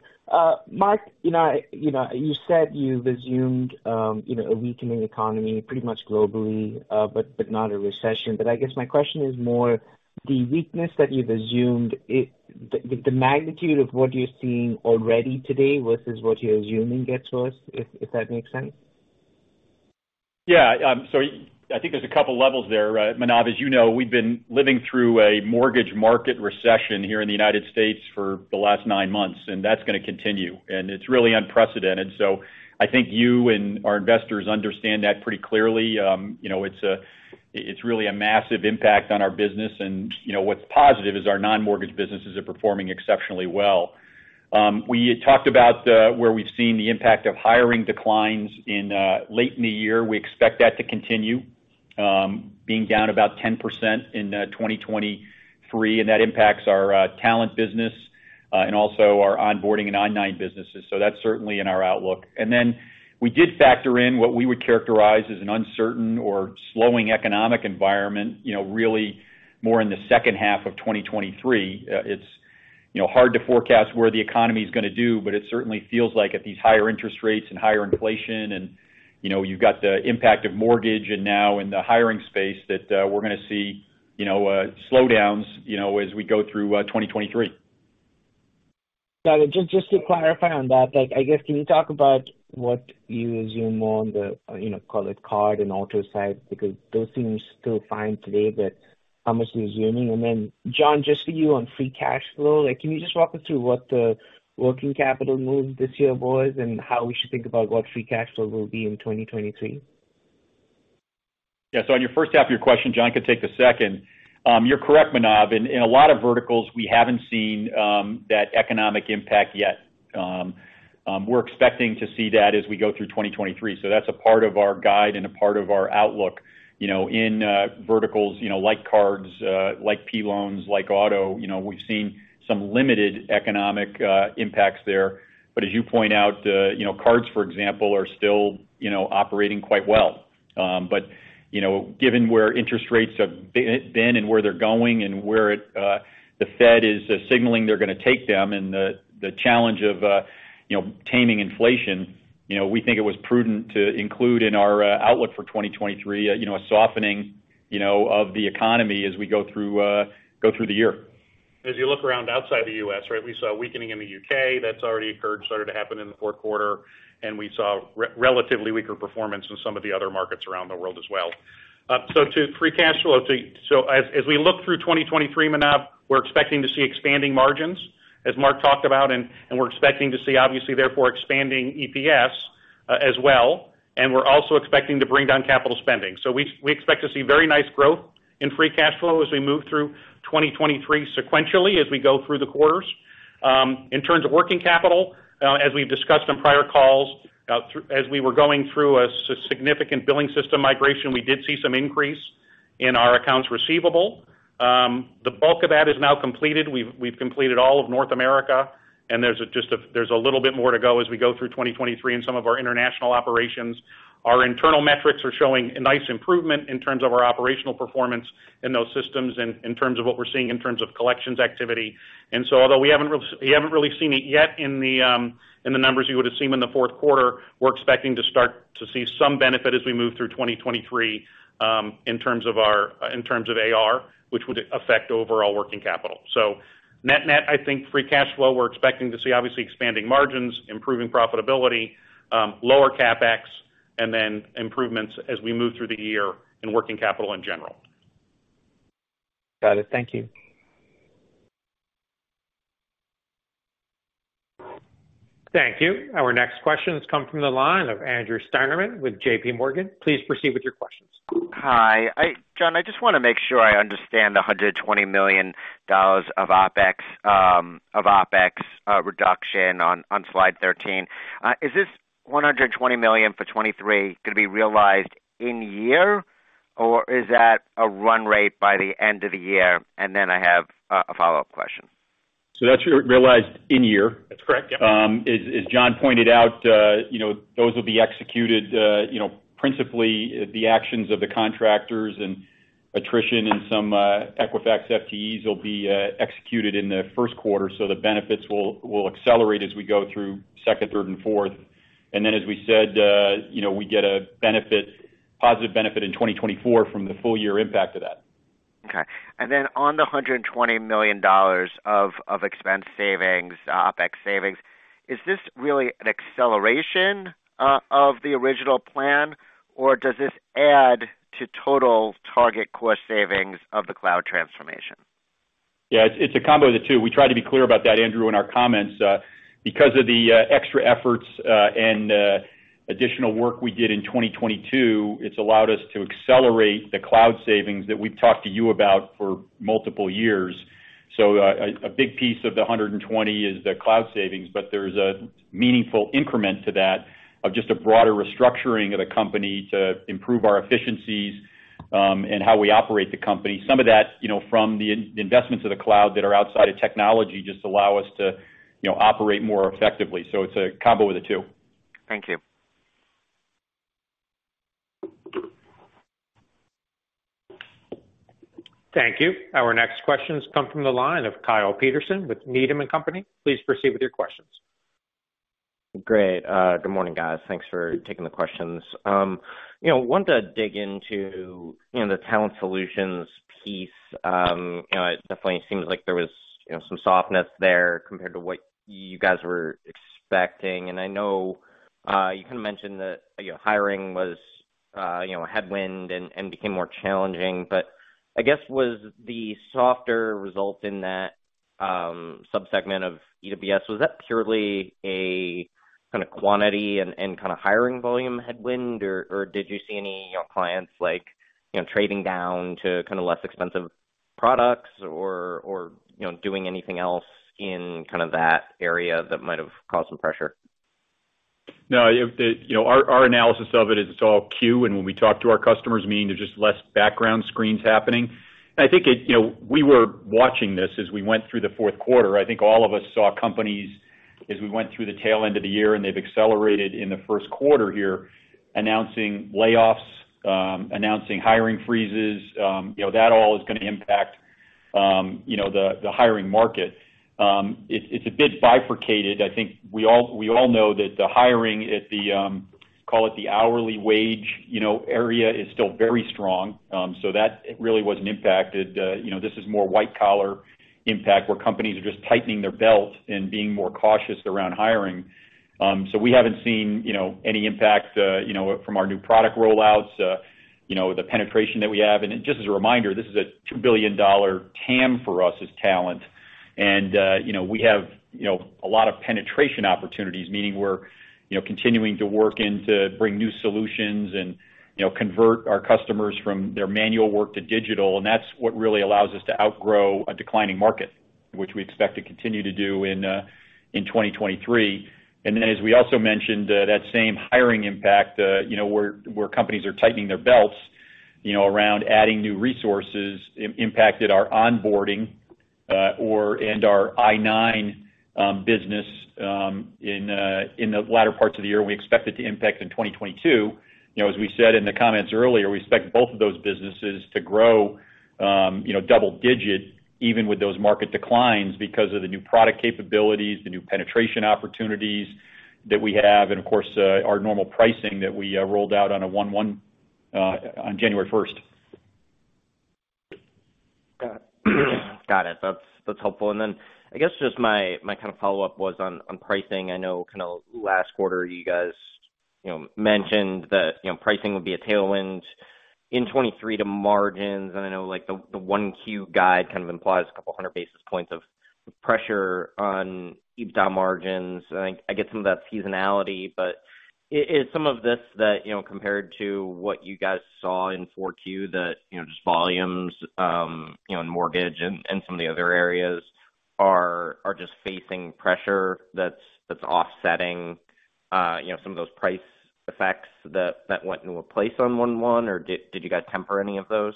Mark, you know, you know, you said you've assumed, you know, a weakening economy pretty much globally, but not a recession. I guess my question is more the weakness that you've assumed the magnitude of what you're seeing already today versus what you're assuming gets worse, if that makes sense? I think there's a couple levels there. Manav, as you know, we've been living through a mortgage market recession here in the United States for the last nine months, and that's gonna continue, and it's really unprecedented. I think you and our investors understand that pretty clearly. You know, it's really a massive impact on our business and, you know, what's positive is our non-mortgage businesses are performing exceptionally well. We had talked about where we've seen the impact of hiring declines in late in the year. We expect that to continue, being down about 10% in 2023, and that impacts our Talent business and also our onboarding and online businesses. That's certainly in our outlook. We did factor in what we would characterize as an uncertain or slowing economic environment, you know, really more in the second half of 2023. It's, you know, hard to forecast where the economy is gonna do, but it certainly feels like at these higher interest rates and higher inflation and, you know, you've got the impact of mortgage and now in the hiring space that we're gonna see, you know, slowdowns, you know, as we go through 2023. Got it. Just to clarify on that, like, I guess, can you talk about what you assume more on the, you know, call it card and auto side? Those seem still fine today, but how much are you assuming? John, just for you on free cash flow, like, can you just walk us through what the working capital move this year was and how we should think about what free cash flow will be in 2023? Yeah. On your first half of your question, John can take the second. You're correct, Manav. In a lot of verticals we haven't seen that economic impact yet. We're expecting to see that as we go through 2023. That's a part of our guide and a part of our outlook. You know, in verticals, you know, like cards, like P-loans, like auto, you know, we've seen some limited economic impacts there. As you point out, cards, for example, are still, you know, operating quite well. You know, given where interest rates have been and where they're going and where the Fed is signaling they're gonna take them and the challenge of, you know, taming inflation, you know, we think it was prudent to include in our outlook for 2023, you know, a softening, you know, of the economy as we go through the year. As you look around outside the US, right, we saw a weakening in the U.K. That's already occurred, started to happen in the fourth quarter. We saw relatively weaker performance in some of the other markets around the world as well. To free cash flow. As we look through 2023, Manav, we're expecting to see expanding margins, as Mark talked about, and we're expecting to see obviously therefore expanding EPS as well. We're also expecting to bring down capital spending. We expect to see very nice growth in free cash flow as we move through 2023 sequentially as we go through the quarters. In terms of working capital, as we've discussed on prior calls, as we were going through a significant billing system migration, we did see some increase in our accounts receivable. The bulk of that is now completed. We've completed all of North America, there's just a little bit more to go as we go through 2023 in some of our international operations. Our internal metrics are showing a nice improvement in terms of our operational performance in those systems and in terms of what we're seeing in terms of collections activity. Although we haven't really seen it yet in the numbers you would have seen in the fourth quarter, we're expecting to start to see some benefit as we move through 2023 in terms of AR, which would affect overall working capital. So net-net, I think free cash flow, we're expecting to see obviously expanding margins, improving profitability, lower CapEx, and then improvements as we move through the year in working capital in general. Got it. Thank you. Thank you. Our next question comes from the line of Andrew Steinerman with JPMorgan. Please proceed with your questions. Hi. John, I just wanna make sure I understand the $120 million of OpEx reduction on slide 13. Is this $120 million for 2023 gonna be realized in year, or is that a run rate by the end of the year? I have a follow-up question. That's realized in year. That's correct. Yep. As John pointed out, you know, those will be executed, you know, principally the actions of the contractors and attrition in some Equifax FTEs will be executed in the first quarter. The benefits will accelerate as we go through second, third, and fourth. As we said, you know, we get a positive benefit in 2024 from the full year impact of that. Okay. On the $120 million of expense savings, OpEx savings, is this really an acceleration of the original plan, or does this add to total target cost savings of the cloud transformation? It's a combo of the two. We tried to be clear about that, Andrew, in our comments. Because of the extra efforts and additional work we did in 2022, it's allowed us to accelerate the Cloud savings that we've talked to you about for multiple years. A big piece of the $120 is the Cloud savings, but there's a meaningful increment to that of just a broader restructuring of the company to improve our efficiencies and how we operate the company. Some of that, you know, from the investments of the Cloud that are outside of technology just allow us to, you know, operate more effectively. It's a combo of the two. Thank you. Thank you. Our next questions come from the line of Kyle Peterson with Needham & Company. Please proceed with your questions. Great. Good morning, guys. Thanks for taking the questions. you know, want to dig into, you know, the Talent Solutions piece. you know, it definitely seems like there was, you know, some softness there compared to what you guys were expecting. I know, you kinda mentioned that, you know, hiring was, you know, a headwind and became more challenging. I guess, was the softer result in that, sub-segment of EWS, was that purely a kinda quantity and hiring volume headwind, or did you see any, you know, clients like, you know, trading down to kinda less expensive products or, you know, doing anything else in kind of that area that might have caused some pressure? No. You know, our analysis of it is it's all Q. When we talk to our customers, meaning there's just less background screens happening. I think, you know, we were watching this as we went through the fourth quarter. I think all of us saw companies as we went through the tail end of the year. They've accelerated in the first quarter here, announcing layoffs, announcing hiring freezes. You know, that all is gonna impact, you know, the hiring market. It's a bit bifurcated. I think we all know that the hiring at the, call it the hourly wage, you know, area is still very strong. That really wasn't impacted. You know, this is more white collar impact, where companies are just tightening their belt and being more cautious around hiring. We haven't seen, you know, any impact, you know, from our new product rollouts, you know, the penetration that we have. Just as a reminder, this is a $2 billion TAM for us as talent. We have, you know, a lot of penetration opportunities, meaning we're, you know, continuing to work and to bring new solutions and, you know, convert our customers from their manual work to digital. That's what really allows us to outgrow a declining market, which we expect to continue to do in 2023. As we also mentioned, that same hiring impact, you know, where companies are tightening their belts, you know, around adding new resources, impacted our onboarding and our I-9 business in the latter parts of the year. We expect it to impact in 2022. You know, as we said in the comments earlier, we expect both of those businesses to grow, you know, double-digit even with those market declines because of the new product capabilities, the new penetration opportunities that we have, and of course, our normal pricing that we rolled out on January 1st. Got it. Got it. That's, that's helpful. Then I guess just my kind of follow-up was on pricing. I know kinda last quarter you guys, you know, mentioned that, you know, pricing would be a tailwind in 2023 to margins. I know, like, the 1Q guide kind of implies a couple hundred basis points of pressure on EBITDA margins. I get some of that seasonality. Is some of this that, you know, compared to what you guys saw in 4Q that, you know, just volumes, you know, in mortgage and some of the other areas are just facing pressure that's offsetting, you know, some of those price effects that went into a place on one-one, or did you guys temper any of those?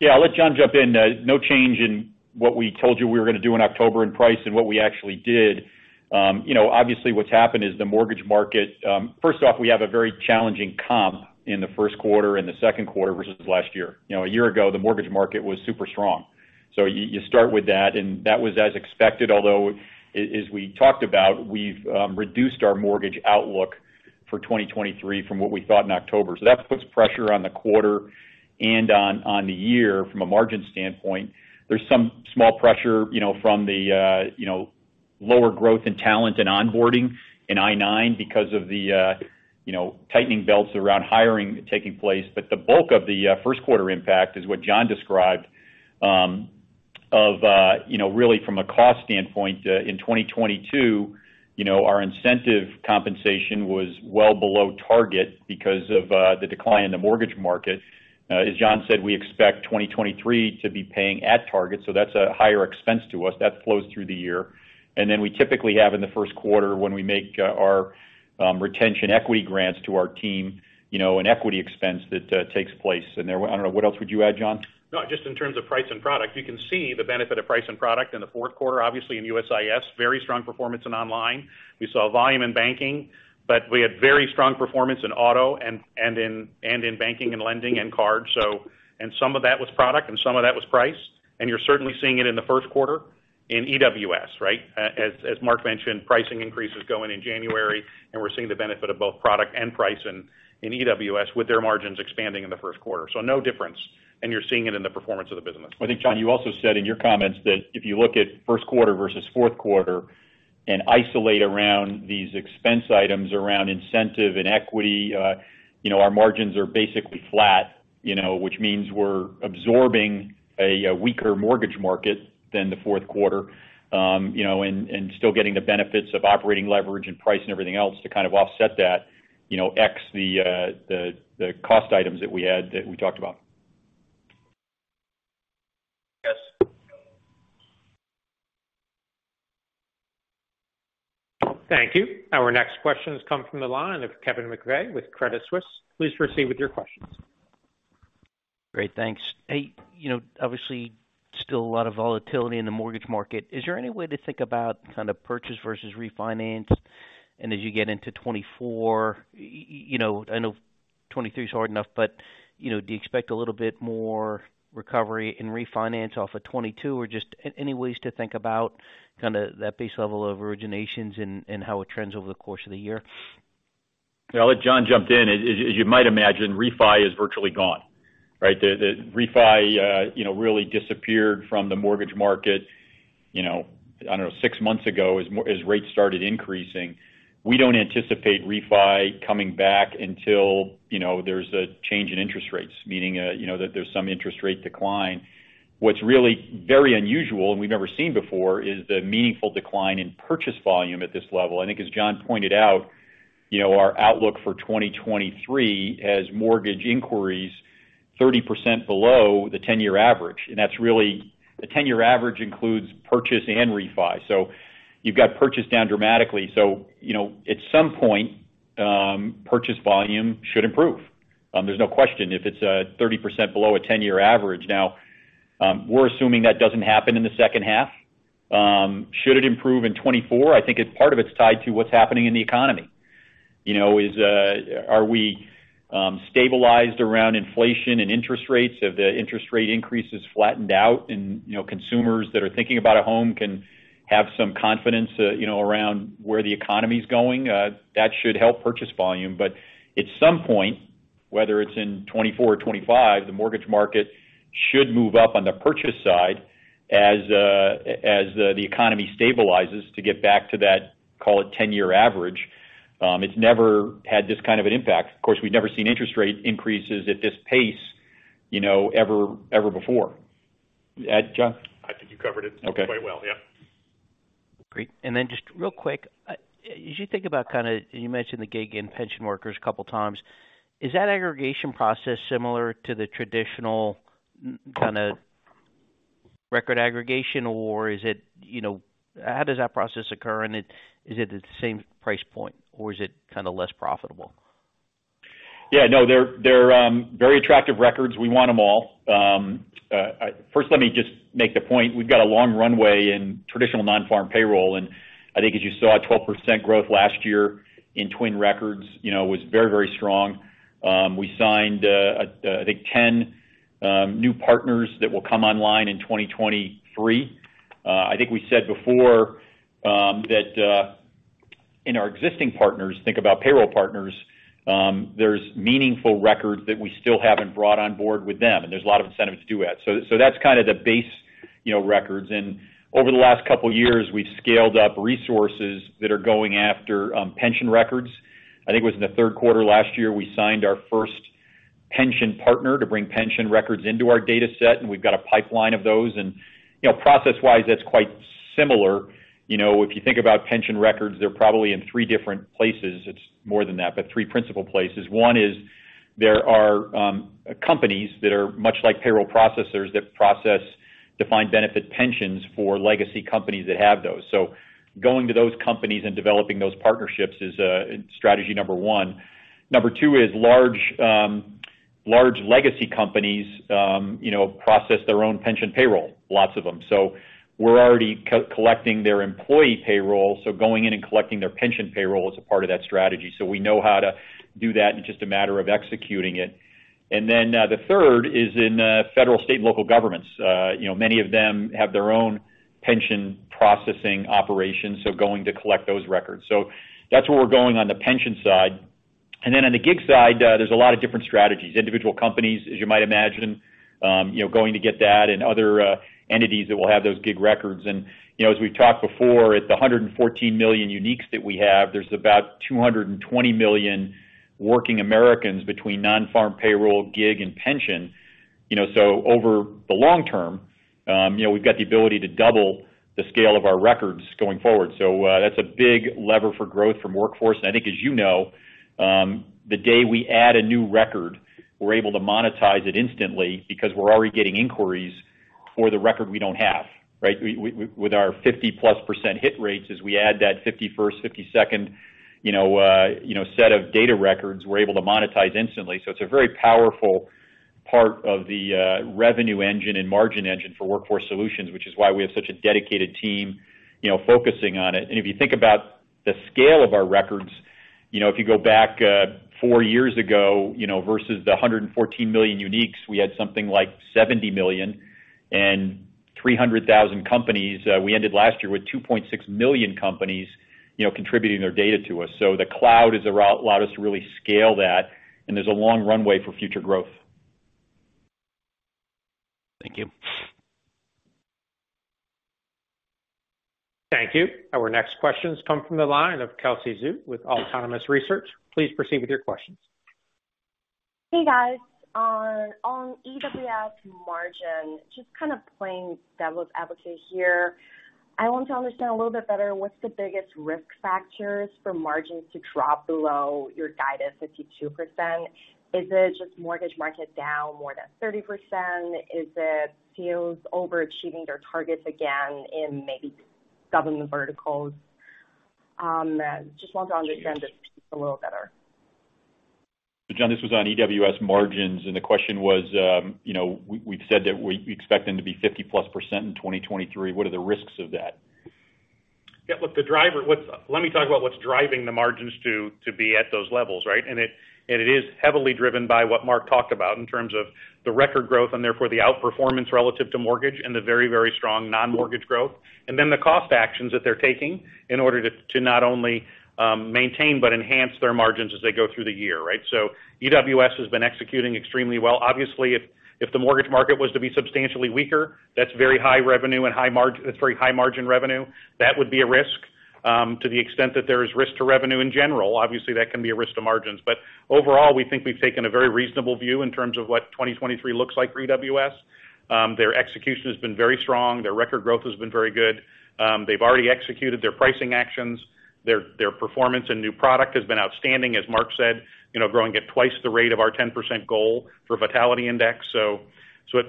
Yeah. I'll let John jump in. No change in what we told you we were gonna do in October in price and what we actually did. You know, obviously what's happened is the mortgage market. First off, we have a very challenging comp in the first quarter and the second quarter versus last year. You know, a year ago, the mortgage market was super strong. You start with that, and that was as expected. Although, as we talked about, we've reduced our mortgage outlook for 2023 from what we thought in October. That puts pressure on the quarter and on the year from a margin standpoint. There's some small pressure, you know, from the, you know, lower growth in talent and onboarding in I-9 because of the, you know, tightening belts around hiring taking place. The bulk of the first quarter impact is what John described, of, you know, really from a cost standpoint, in 2022, you know, our incentive compensation was well below target because of the decline in the mortgage market. As John said, we expect 2023 to be paying at target, so that's a higher expense to us. That flows through the year. Then we typically have in the first quarter when we make our retention equity grants to our team, you know, an equity expense that takes place. There I don't know, what else would you add, John? No. Just in terms of price and product. You can see the benefit of price and product in the fourth quarter, obviously in USIS, very strong performance in online. We saw volume in banking, but we had very strong performance in auto and in banking and lending and card. Some of that was product, and some of that was price. You're certainly seeing it in the first quarter in EWS, right? As Mark mentioned, pricing increases going in January, and we're seeing the benefit of both product and price in EWS with their margins expanding in the first quarter. No difference, and you're seeing it in the performance of the business. I think, John, you also said in your comments that if you look at first quarter versus fourth quarter and isolate around these expense items around incentive and equity, you know, our margins are basically flat, you know, which means we're absorbing a weaker mortgage market than the fourth quarter, you know, and still getting the benefits of operating leverage and price and everything else to kind of offset that, you know, x the cost items that we had that we talked about. Yes. Thank you. Our next questions come from the line of Kevin McVeigh with Credit Suisse. Please proceed with your questions. Great. Thanks. Hey, you know obviously, still a lot of volatility in the mortgage market. Is there any way to think about kind of purchase versus refinance? As you get into 2024, you know, I know 2023 is hard enough, but, you know, do you expect a little bit more recovery in refinance off of 2022, or just any ways to think about kinda that base level of originations and how it trends over the course of the year? Yeah, I'll let John jump in. As you might imagine, refi is virtually gone, right? The refi, you know, really disappeared from the mortgage market, you know, I don't know, six months ago as rates started increasing. We don't anticipate refi coming back until, you know, there's a change in interest rates, meaning, you know, that there's some interest rate decline. What's really very unusual, we've never seen before, is the meaningful decline in purchase volume at this level. I think, as John pointed out, you know, our outlook for 2023 has mortgage inquiries 30% below the 10-year average. That's really, the 10-year average includes purchase and refi. You've got purchase down dramatically. You know, at some point, purchase volume should improve. There's no question if it's 30% below a 10-year average. We're assuming that doesn't happen in the second half. Should it improve in 2024? I think part of it's tied to what's happening in the economy. You know, is, are we stabilized around inflation and interest rates? Have the interest rate increases flattened out and, you know, consumers that are thinking about a home can have some confidence, you know, around where the economy is going, that should help purchase volume. At some point, whether it's in 2024 or 2025, the mortgage market should move up on the purchase side as the economy stabilizes to get back to that, call it 10-year average. It's never had this kind of an impact. Of course, we've never seen interest rate increases at this pace, you know, ever before. John? I think you covered it— Okay. —quite well. Yeah. Great. Just real quick. As you think about kinda, you mentioned the gig and pension workers a couple of times. Is that aggregation process similar to the traditional kinda record aggregation, or is it, you know? How does that process occur, and is it at the same price point, or is it kinda less profitable? Yeah. No, they're very attractive records. We want them all. First let me just make the point. We've got a long runway in traditional nonfarm payroll, and I think as you saw, 12% growth last year in TWN records, you know, was very, very strong. We signed, I think 10 new partners that will come online in 2023. I think we said before that in our existing partners, think about payroll partners, there's meaningful records that we still haven't brought on board with them, and there's a lot of incentives to do that. That's kind of the base, you know, records. Over the last couple of years, we've scaled up resources that are going after pension records. I think it was in the third quarter last year, we signed our first pension partner to bring pension records into our data set, and we've got a pipeline of those. You know, process-wise, that's quite similar. You know, if you think about pension records, they're probably in three different places. It's more than that, but three principal places. One is there are companies that are much like payroll processors that process defined benefit pensions for legacy companies that have those. Going to those companies and developing those partnerships is strategy number one. Number two is large legacy companies, you know, process their own pension payroll, lots of them. We're already co-collecting their employee payroll, so going in and collecting their pension payroll is a part of that strategy. We know how to do that. It's just a matter of executing it. The third is in federal, state, and local governments. You know, many of them have their own pension processing operations, so going to collect those records. That's where we're going on the pension side. On the gig side, there's a lot of different strategies. Individual companies, as you might imagine, you know, going to get that and other entities that will have those gig records. You know, as we've talked before, at the 114 million uniques that we have, there's about 220 million working Americans between nonfarm payroll, gig, and pension. You know, over the long term, you know, we've got the ability to double the scale of our records going forward. That's a big lever for growth from Workforce. I think as you know, the day we add a new record, we're able to monetize it instantly because we're already getting inquiries for the record we don't have, right? With our 50%+ hit rates, as we add that 51st, 52nd, you know, set of data records, we're able to monetize instantly. It's a very powerful part of the revenue engine and margin engine for Workforce Solutions, which is why we have such a dedicated team, you know, focusing on it. If you think about the scale of our records, you know, if you go back four years ago, you know, versus the 114 million uniques, we had something like 70 million and 300,000 companies. We ended last year with 2.6 million companies, you know, contributing their data to us. The cloud has allowed us to really scale that, and there's a long runway for future growth. Thank you. Thank you. Our next questions come from the line of Kelsey Zhu with Autonomous Research. Please proceed with your questions. Hey, guys. on EWS margin, just kind of playing devil's advocate here. I want to understand a little bit better, what's the biggest risk factors for margins to drop below your guidance 52%? Is it just mortgage market down more than 30%? Is it fields overachieving their targets again in maybe government verticals? just want to understand this piece a little better. John, this was on EWS margins, and the question was, you know, we've said that we expect them to be 50%+ in 2023. What are the risks of that? Look—let me talk about what's driving the margins to be at those levels, right? It is heavily driven by what Mark talked about in terms of the record growth, and therefore the outperformance relative to mortgage and the very strong non-mortgage growth. The cost actions that they're taking in order to not only maintain, but enhance their margins as they go through the year, right? EWS has been executing extremely well. Obviously, if the mortgage market was to be substantially weaker, that's very high revenue and that's very high margin revenue. That would be a risk to the extent that there is risk to revenue in general. Obviously, that can be a risk to margins. Overall, we think we've taken a very reasonable view in terms of what 2023 looks like for EWS. Their execution has been very strong. Their record growth has been very good. They've already executed their pricing actions. Their performance and new product has been outstanding, as Mark said, you know, growing at twice the rate of our 10% goal for Vitality Index.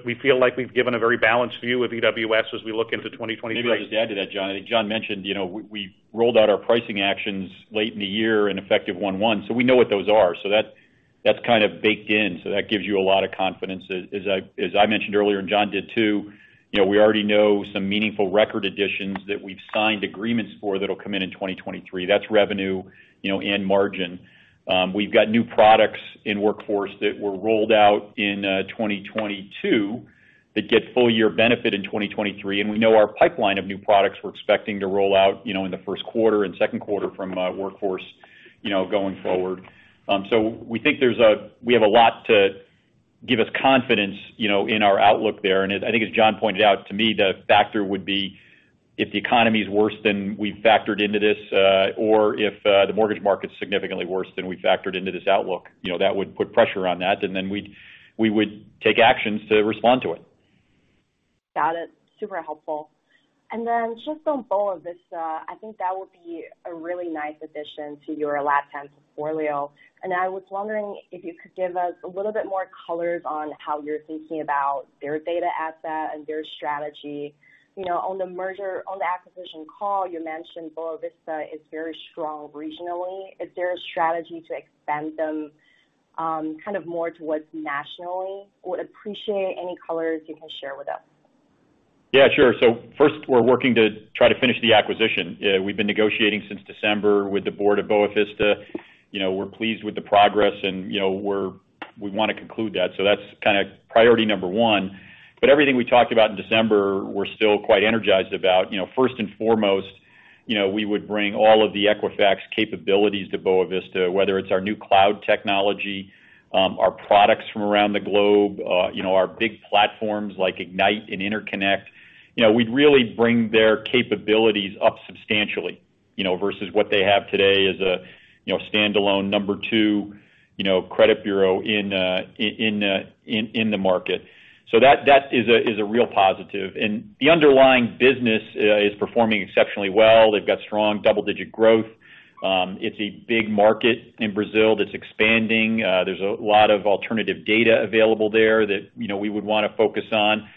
We feel like we've given a very balanced view of EWS as we look into 2023. Maybe I'll just add to that, John. I think John mentioned, you know, we rolled out our pricing actions late in the year in effective 1/1. We know what those are. That's kind of baked in. That gives you a lot of confidence. As I mentioned earlier. John did, too, you know, we already know some meaningful record additions that we've signed agreements for that'll come in in 2023. That's revenue, you know, and margin. We've got new products in Workforce that were rolled out in 2022 that get full year benefit in 2023. We know our pipeline of new products we're expecting to roll out, you know, in the first quarter and second quarter from Workforce, you know, going forward. We think we have a lot to give us confidence, you know, in our outlook there. I think as John pointed out, to me, the factor would be if the economy is worse than we factored into this, or if the mortgage market's significantly worse than we factored into this outlook, you know, that would put pressure on that, and then we would take actions to respond to it. Got it. Super helpful. Then just on Boa Vista, I think that would be a really nice addition to yourLATAM portfolio. I was wondering if you could give us a little bit more colors on how you're thinking about their data asset and their strategy. You know, on the acquisition call, you mentioned Boa Vista is very strong regionally. Is there a strategy to expand them, kind of more towards nationally? Would appreciate any colors you can share with us. Yeah, sure. First, we're working to try to finish the acquisition. We've been negotiating since December with the board of Boa Vista. You know, we're pleased with the progress and, you know, we wanna conclude that. That's kinda priority number one. Everything we talked about in December, we're still quite energized about. You know, first and foremost, you know, we would bring all of the Equifax capabilities to Boa Vista, whether it's our new cloud technology, our products from around the globe, you know, our big platforms like Ignite and InterConnect. You know, we'd really bring their capabilities up substantially, you know, versus what they have today as a, you know, standalone number two, you know, credit bureau in the market. That is a real positive. The underlying business is performing exceptionally well. They've got strong double-digit growth. It's a big market in Brazil that's expanding. There's a lot of alternative data available there that, you know, we would wanna focus on.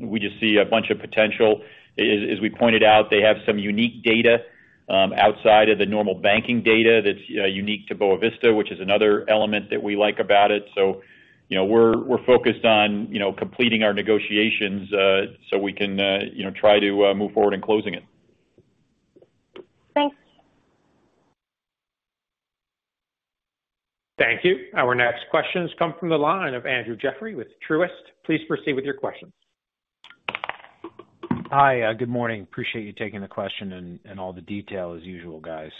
We just see a bunch of potential. As we pointed out, they have some unique data outside of the normal banking data that's unique to Boa Vista, which is another element that we like about it. You know, we're focused on, you know, completing our negotiations, so we can, you know, try to move forward in closing it. Thanks. Thank you. Our next question has come from the line of Andrew Jeffrey with Truist. Please proceed with your question. Hi. Good morning. Appreciate you taking the question and all the detail as usual, guys.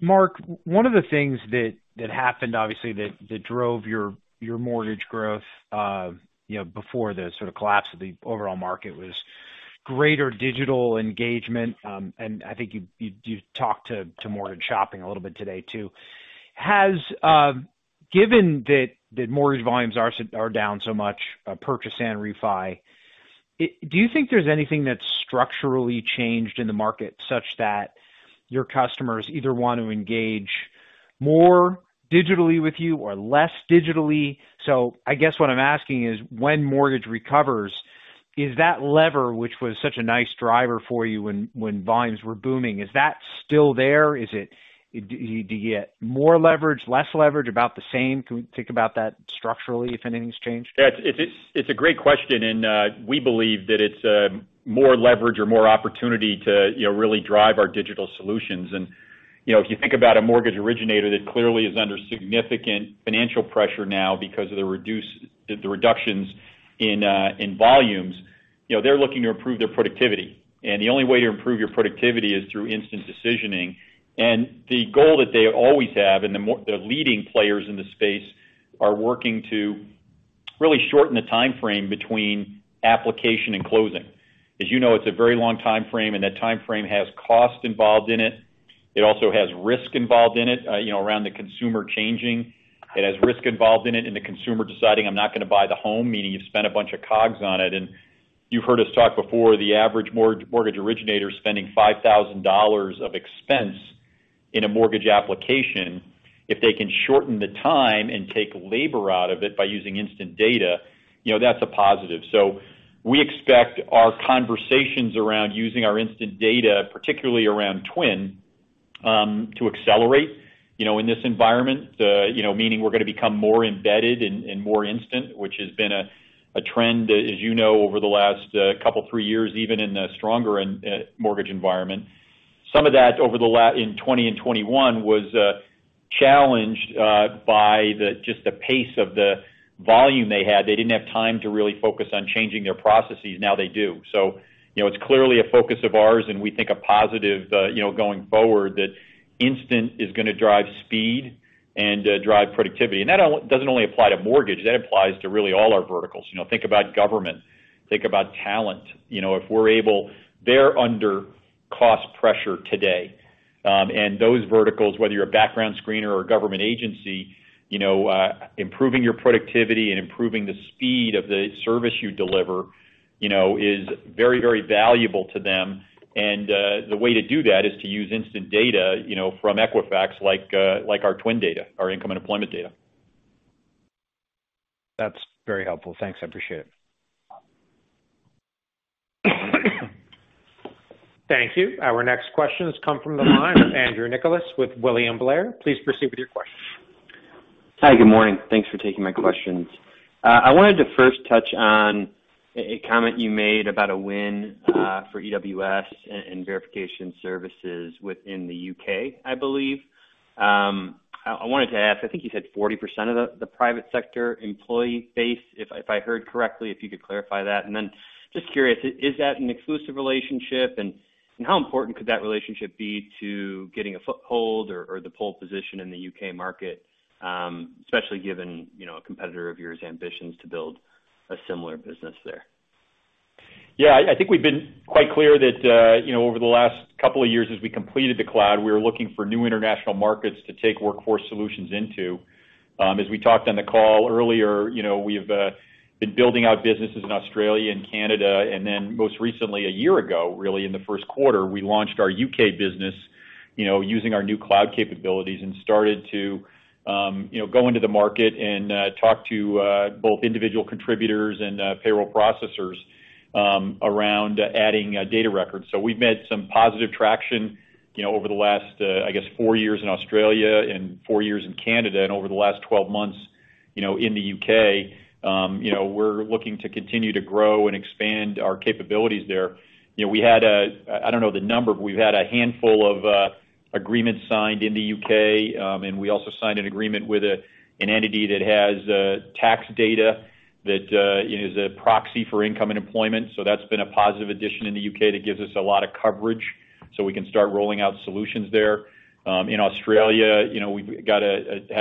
Mark, one of the things that happened, obviously, that drove your mortgage growth, you know, before the sort of collapse of the overall market was greater digital engagement. And I think you talked to mortgage shopping a little bit today, too. Has, given that mortgage volumes are down so much, purchase and refi, do you think there's anything that's structurally changed in the market such that your customers either want to engage more digitally with you or less digitally? So I guess what I'm asking is, when mortgage recovers, is that lever, which was such a nice driver for you when volumes were booming, is that still there? Is it—do you get more leverage, less leverage, about the same? Can we think about that structurally if anything's changed? Yeah, it's a great question. We believe that it's more leverage or more opportunity to, you know, really drive our digital solutions. You know, if you think about a mortgage originator that clearly is under significant financial pressure now because of the reductions in volumes, you know, they're looking to improve their productivity. The only way to improve your productivity is through instant decisioning. The goal that they always have, the leading players in the space are working to really shorten the timeframe between application and closing. As you know, it's a very long timeframe, and that timeframe has cost involved in it. It also has risk involved in it, you know, around the consumer changing. It has risk involved in it, and the consumer deciding, "I'm not gonna buy the home," meaning you've spent a bunch of COGS on it. You've heard us talk before, the average mortgage originator is spending $5,000 of expense in a mortgage application. If they can shorten the time and take labor out of it by using instant data. You know, that's a positive. We expect our conversations around using our instant data, particularly around TWN, to accelerate, you know, in this environment, you know, meaning we're gonna become more embedded and more instant, which has been a trend, as you know, over the last couple of three years, even in a stronger mortgage environment. Some of that over in 2020 and 2021 was challenged by the just the pace of the volume they had. They didn't have time to really focus on changing their processes. Now they do. You know, it's clearly a focus of ours, and we think a positive, you know, going forward that instant is gonna drive speed and drive productivity. That doesn't only apply to mortgage, that applies to really all our verticals. You know, think about government, think about talent. They're under cost pressure today. Those verticals, whether you're a background screener or a government agency, you know, improving your productivity and improving the speed of the service you deliver, you know, is very, very valuable to them. The way to do that is to use instant data, you know, from Equifax like our TWN data, our income and employment data. That's very helpful. Thanks, I appreciate it. Thank you. Our next question has come from the line of Andrew Nicholas with William Blair. Please proceed with your question. Hi, good morning. Thanks for taking my questions. I wanted to first touch on a comment you made about a win for EWS and Verification Services within the U.K., I believe. I wanted to ask, I think you said 40% of the private sector employee base, if I heard correctly, if you could clarify that. Just curious, is that an exclusive relationship? How important could that relationship be to getting a foothold or the pole position in the U.K. market, especially given, you know, a competitor of yours ambitions to build a similar business there? I think we've been quite clear that, you know, over the last couple of years as we completed the cloud, we were looking for new international markets to take Workforce Solutions into. As we talked on the call earlier, you know, we've been building out businesses in Australia and Canada, and then most recently, a year ago, really in the first quarter, we launched our U.K. business, you know, using our new cloud capabilities and started to, you know, go into the market and talk to both individual contributors and payroll processors around adding data records. We've made some positive traction, you know, over the last, I guess, four years in Australia and four years in Canada and over the last 12 months, you know, in the U.K. You know, we're looking to continue to grow and expand our capabilities there. You know, we had, I don't know the number, but we've had a handful of agreements signed in the U.K. We also signed an agreement with an entity that has tax data that is a proxy for income and employment. That's been a positive addition in the U.K. that gives us a lot of coverage, so we can start rolling out solutions there. In Australia, you know, we've had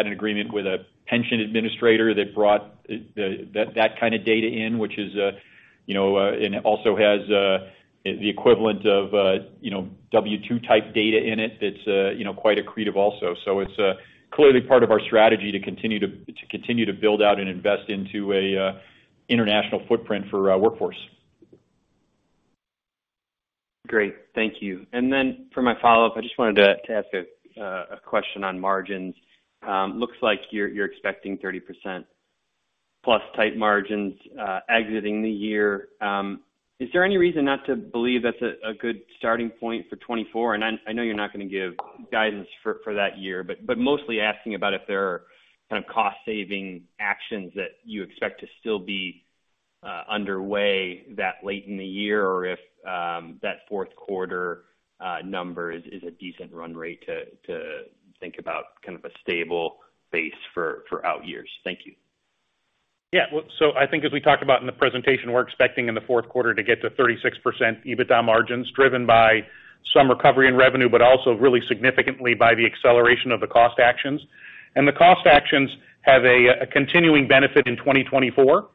an agreement with a pension administrator that brought that kind of data in, which is, you know, and it also has the equivalent of, you know, W-2 type data in it that's, you know, quite accretive also. So, it's clearly part of our strategy to continue to build out and invest into a international footprint for our Workforce. Great. Thank you. For my follow-up, I just wanted to ask a question on margins. Looks like you're expecting 30%+ tight margins exiting the year. Is there any reason not to believe that's a good starting point for 2024? I know you're not gonna give guidance for that year, but mostly asking about if there are kind of cost saving actions that you expect to still be underway that late in the year or if that fourth quarter number is a decent run rate to think about kind of a stable base for outyears. Thank you. Well, I think as we talked about in the presentation, we're expecting in the fourth quarter to get to 36% EBITDA margins driven by some recovery in revenue, also really significantly by the acceleration of the cost actions. The cost actions have a continuing benefit in 2024.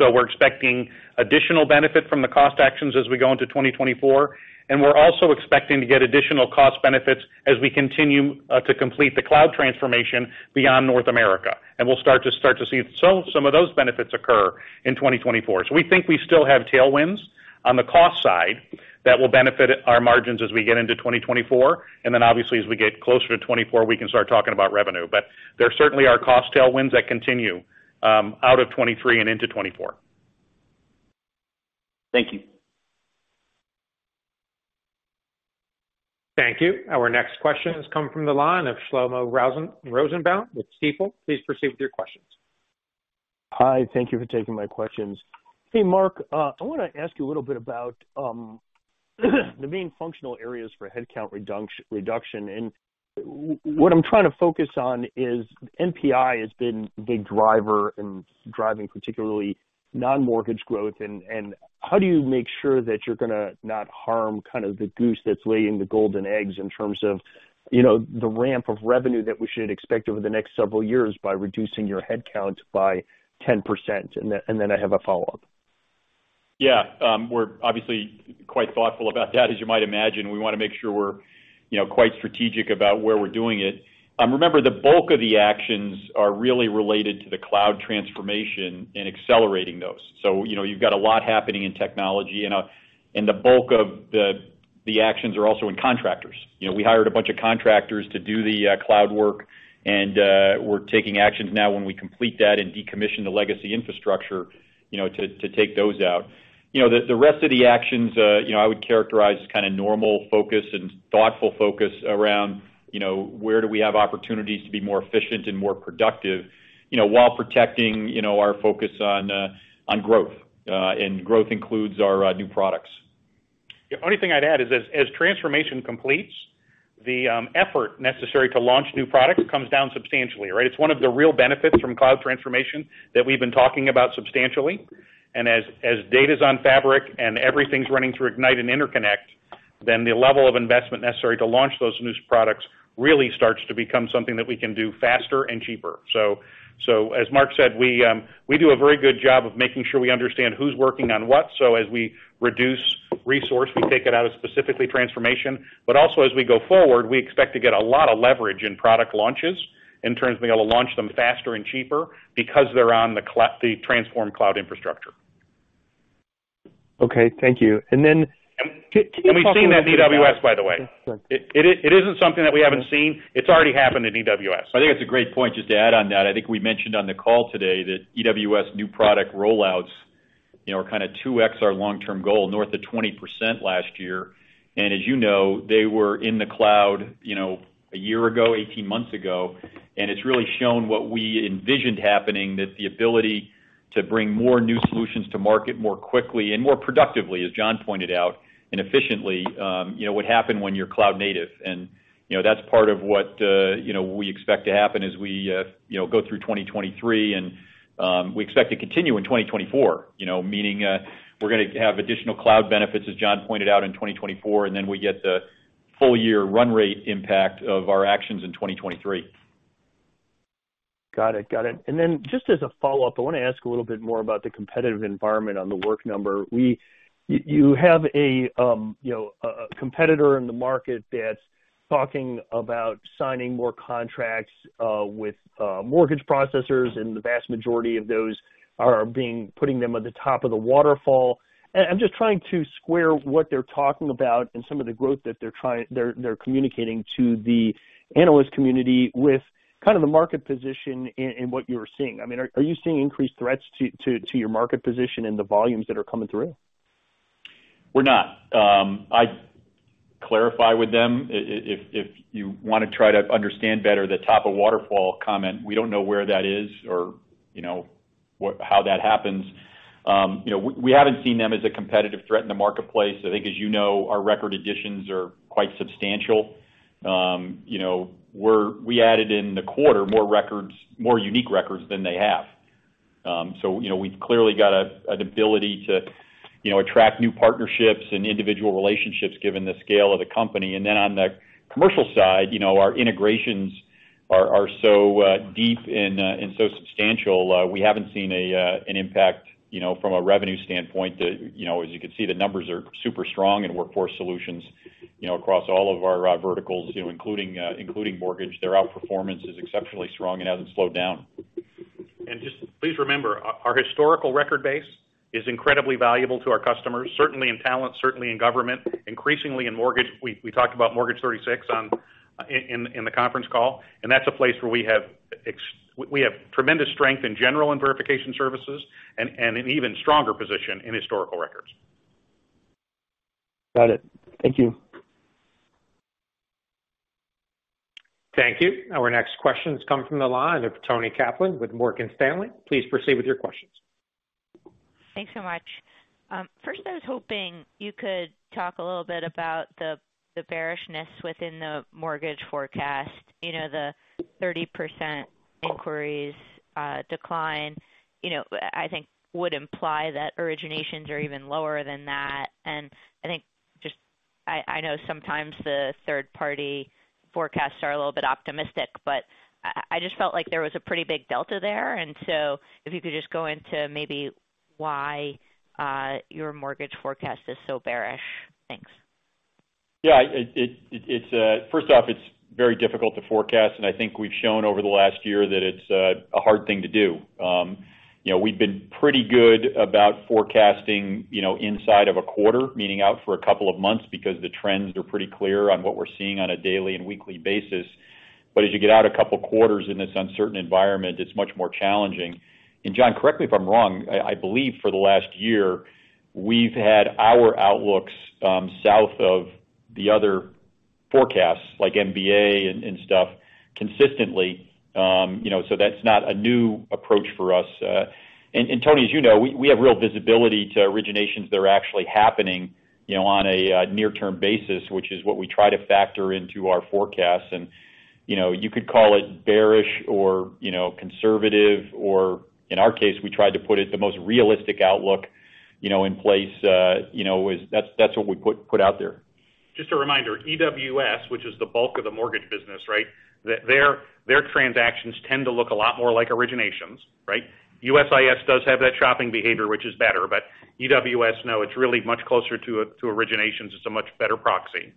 We're expecting additional benefit from the cost actions as we go into 2024. We're also expecting to get additional cost benefits as we continue to complete the cloud transformation beyond North America. We'll start to see some of those benefits occur in 2024. We think we still have tailwinds on the cost side that will benefit our margins as we get into 2024. Obviously, as we get closer to 2024, we can start talking about revenue. There certainly are cost tailwinds that continue out of 2023 and into 2024. Thank you. Thank you. Our next question has come from the line of Shlomo Rosenbaum with Stifel. Please proceed with your questions. Hi, thank you for taking my questions. Hey, Mark, I wanna ask you a little bit about the main functional areas for headcount reduction. What I'm trying to focus on is NPI has been the driver in driving particularly non-mortgage growth. How do you make sure that you're gonna not harm kind of the goose that's laying the golden eggs in terms of, you know, the ramp of revenue that we should expect over the next several years by reducing your headcount by 10%? I have a follow-up. Yeah. We're obviously quite thoughtful about that, as you might imagine. We wanna make sure we're, you know, quite strategic about where we're doing it. Remember, the bulk of the actions are really related to the cloud transformation and accelerating those. You know, you've got a lot happening in technology and the bulk of the actions are also in contractors. You know, we hired a bunch of contractors to do the cloud work, and we're taking actions now when we complete that and decommission the legacy infrastructure, you know, to take those out. You know, the rest of the actions, you know, I would characterize kind of normal focus and thoughtful focus around, you know, where do we have opportunities to be more efficient and more productive, you know, while protecting, you know, our focus on growth and growth includes our new products. The only thing I'd add is as transformation completes, the effort necessary to launch new products comes down substantially, right? It's one of the real benefits from cloud transformation that we've been talking about substantially. As data's on Data Fabric and everything's running through Ignite and InterConnect, then the level of investment necessary to launch those new products really starts to become something that we can do faster and cheaper. As Mark said, we do a very good job of making sure we understand who's working on what, so as we reduce resource, we take it out of specifically transformation. Also as we go forward, we expect to get a lot of leverage in product launches in terms of being able to launch them faster and cheaper because they're on the transformed cloud infrastructure. Okay, thank you. Can you talk a little bit about— We've seen that in EWS, by the way. Yeah, sure. It isn't something that we haven't seen. It's already happened in EWS. I think that's a great point. Just to add on that, I think we mentioned on the call today that EWS new product rollouts, you know, are kind of 2x our long-term goal, north of 20% last year. As you know, they were in the cloud, you know, a year ago, 18 months ago, and it's really shown what we envisioned happening, that the ability to bring more new solutions to market more quickly and more productively, as John pointed out, and efficiently, you know, would happen when you're cloud native. You know, that's part of what, you know, we expect to happen as we, you know, go through 2023, and we expect to continue in 2024. You know, meaning, we're gonna have additional cloud benefits, as John pointed out, in 2024, and then we get the full year run rate impact of our actions in 2023. Got it. Got it. Then just as a follow-up, I wanna ask a little bit more about the competitive environment on The Work Number. You have a, you know, a competitor in the market that's talking about signing more contracts, with mortgage processors, and the vast majority of those are putting them at the top of the waterfall. I'm just trying to square what they're talking about and some of the growth that they're communicating to the analyst community with kind of the market position and what you're seeing. I mean, are you seeing increased threats to your market position and the volumes that are coming through? We're not. I'd clarify with them if you wanna try to understand better the top of waterfall comment. We don't know where that is or, you know, how that happens. you know, we haven't seen them as a competitive threat in the marketplace. I think as you know, our record additions are quite substantial. you know, we added in the quarter more records, more unique records than they have. you know, we've clearly got an ability to, you know, attract new partnerships and individual relationships given the scale of the company. On the commercial side, you know, our integrations are so deep and so substantial, we haven't seen an impact, you know, from a revenue standpoint that, you know, as you can see, the numbers are super strong in Workforce Solutions, you know, across all of our verticals, you know, including including mortgage. Their outperformance is exceptionally strong and hasn't slowed down. Just please remember, our historical record base is incredibly valuable to our customers, certainly in talent, certainly in government, increasingly in mortgage. We talked about Mortgage 36 in the conference call, and that's a place where we have tremendous strength in general and Verification Services and an even stronger position in historical records. Got it. Thank you. Thank you. Our next question comes from the line of Toni Kaplan with Morgan Stanley. Please proceed with your questions. Thanks so much. First I was hoping you could talk a little bit about the bearishness within the mortgage forecast. You know, the 30% inquiries decline, you know, I think would imply that originations are even lower than that. I know sometimes the third-party forecasts are a little bit optimistic, but I just felt like there was a pretty big delta there. If you could just go into maybe why your mortgage forecast is so bearish. Thanks. Yeah. It's First off, it's very difficult to forecast, and I think we've shown over the last year that it's a hard thing to do. You know, we've been pretty good about forecasting, you know, inside of a quarter, meaning out for a couple of months because the trends are pretty clear on what we're seeing on a daily and weekly basis. As you get out a couple quarters in this uncertain environment, it's much more challenging. John, correct me if I'm wrong, I believe for the last year, we've had our outlooks south of the other forecasts like MBA and stuff consistently. You know, that's not a new approach for us. And Toni, as you know, we have real visibility to originations that are actually happening, you know, on a near-term basis, which is what we try to factor into our forecasts. You know, you could call it bearish or, you know, conservative or in our case, we try to put it the most realistic outlook, you know, in place. You know, that's what we put out there. Just a reminder, EWS, which is the bulk of the mortgage business, right? Their transactions tend to look a lot more like originations, right? USIS does have that shopping behavior, which is better. EWS, no, it's really much closer to originations. It's a much better proxy.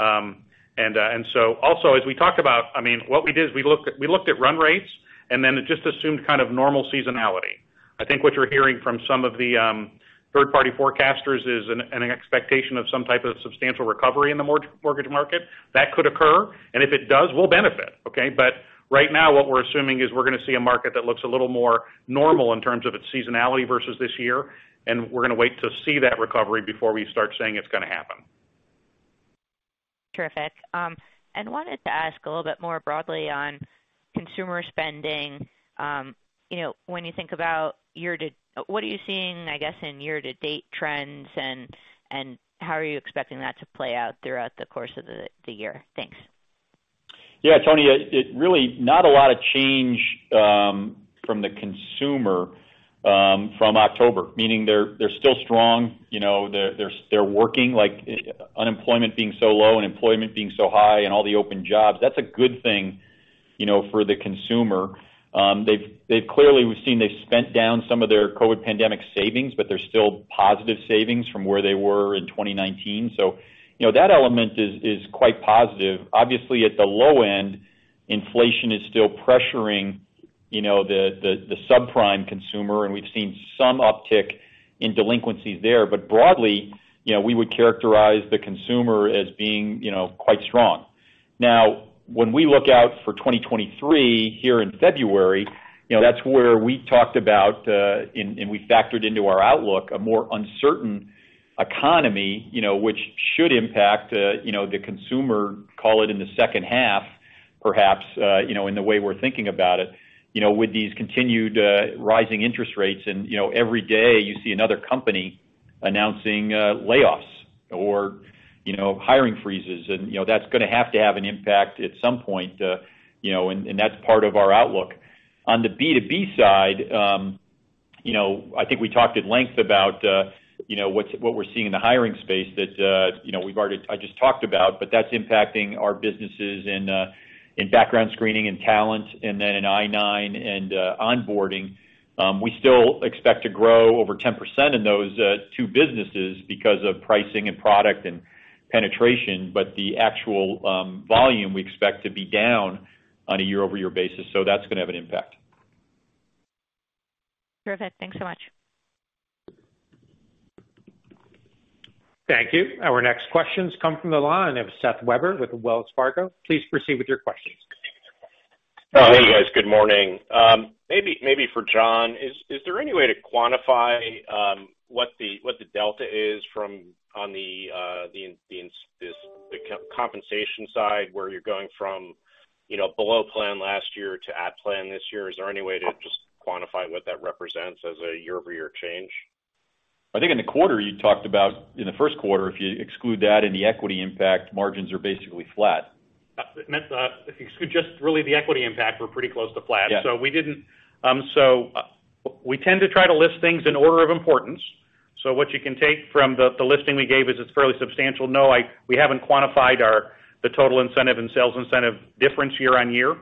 Also, as we talked about, I mean, what we did is we looked at run rates, and then it just assumed kind of normal seasonality. I think what you're hearing from some of the third-party forecasters is an expectation of some type of substantial recovery in the mortgage market. That could occur, and if it does, we'll benefit, okay? Right now, what we're assuming is we're gonna see a market that looks a little more normal in terms of its seasonality versus this year, and we're gonna wait to see that recovery before we start saying it's gonna happen. Terrific. Wanted to ask a little bit more broadly on consumer spending. You know, when you think about what are you seeing, I guess, in year-to-date trends, and how are you expecting that to play out throughout the course of the year? Thanks. Yeah, Toni, it really not a lot of change from the consumer from October, meaning they're still strong. You know, they're working like unemployment being so low and employment being so high and all the open jobs. That's a good thing, you know, for the consumer. They've clearly we've seen they've spent down some of their COVID pandemic savings, but they're still positive savings from where they were in 2019. You know, that element is quite positive. Obviously, at the low end, inflation is still pressuring, you know, the subprime consumer, and we've seen some uptick in delinquencies there. Broadly, you know, we would characterize the consumer as being, you know, quite strong. When we look out for 2023 here in February, you know, that's where we talked about, and we factored into our outlook a more uncertain economy, you know, which should impact, you know, the consumer, call it in the second half, perhaps, you know, in the way we're thinking about it. You know, with these continued, rising interest rates and, you know, every day you see another company announcing, layoffs or, you know, hiring freezes. You know, that's gonna have to have an impact at some point, you know, and that's part of our outlook. On the B2B side, you know, I think we talked at length about, you know, what we're seeing in the hiring space that, you know, I just talked about, but that's impacting our businesses in background screening and Talent and then in I-9 and Onboarding. We still expect to grow over 10% in those two businesses because of pricing and product and penetration, but the actual volume we expect to be down on a year-over-year basis. That's gonna have an impact. Terrific. Thanks so much. Thank you. Our next questions come from the line of Seth Weber with Wells Fargo. Please proceed with your questions. Hey, guys. Good morning. Maybe for John. Is there any way to quantify what the delta is on the compensation side where you're going from, you know, below plan last year to at plan this year? Is there any way to just quantify what that represents as a year-over-year change? In the first quarter, if you exclude that and the equity impact, margins are basically flat. If you exclude just really the equity impact, we're pretty close to flat. Yeah. We tend to try to list things in order of importance. What you can take from the listing we gave is it's fairly substantial. No, we haven't quantified the total incentive and sales incentive difference year-on-year.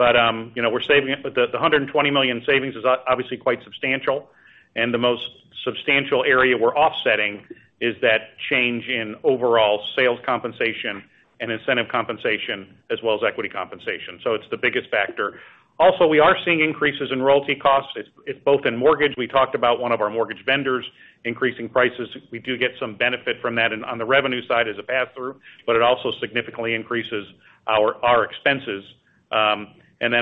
You know, we're saving it. The $120 million savings is obviously quite substantial, and the most substantial area we're offsetting is that change in overall sales compensation and incentive compensation as well as equity compensation. It's the biggest factor. Also, we are seeing increases in royalty costs. It's both in mortgage. We talked about one of our mortgage vendors increasing prices. We do get some benefit from that on the revenue side as a pass-through, but it also significantly increases our expenses.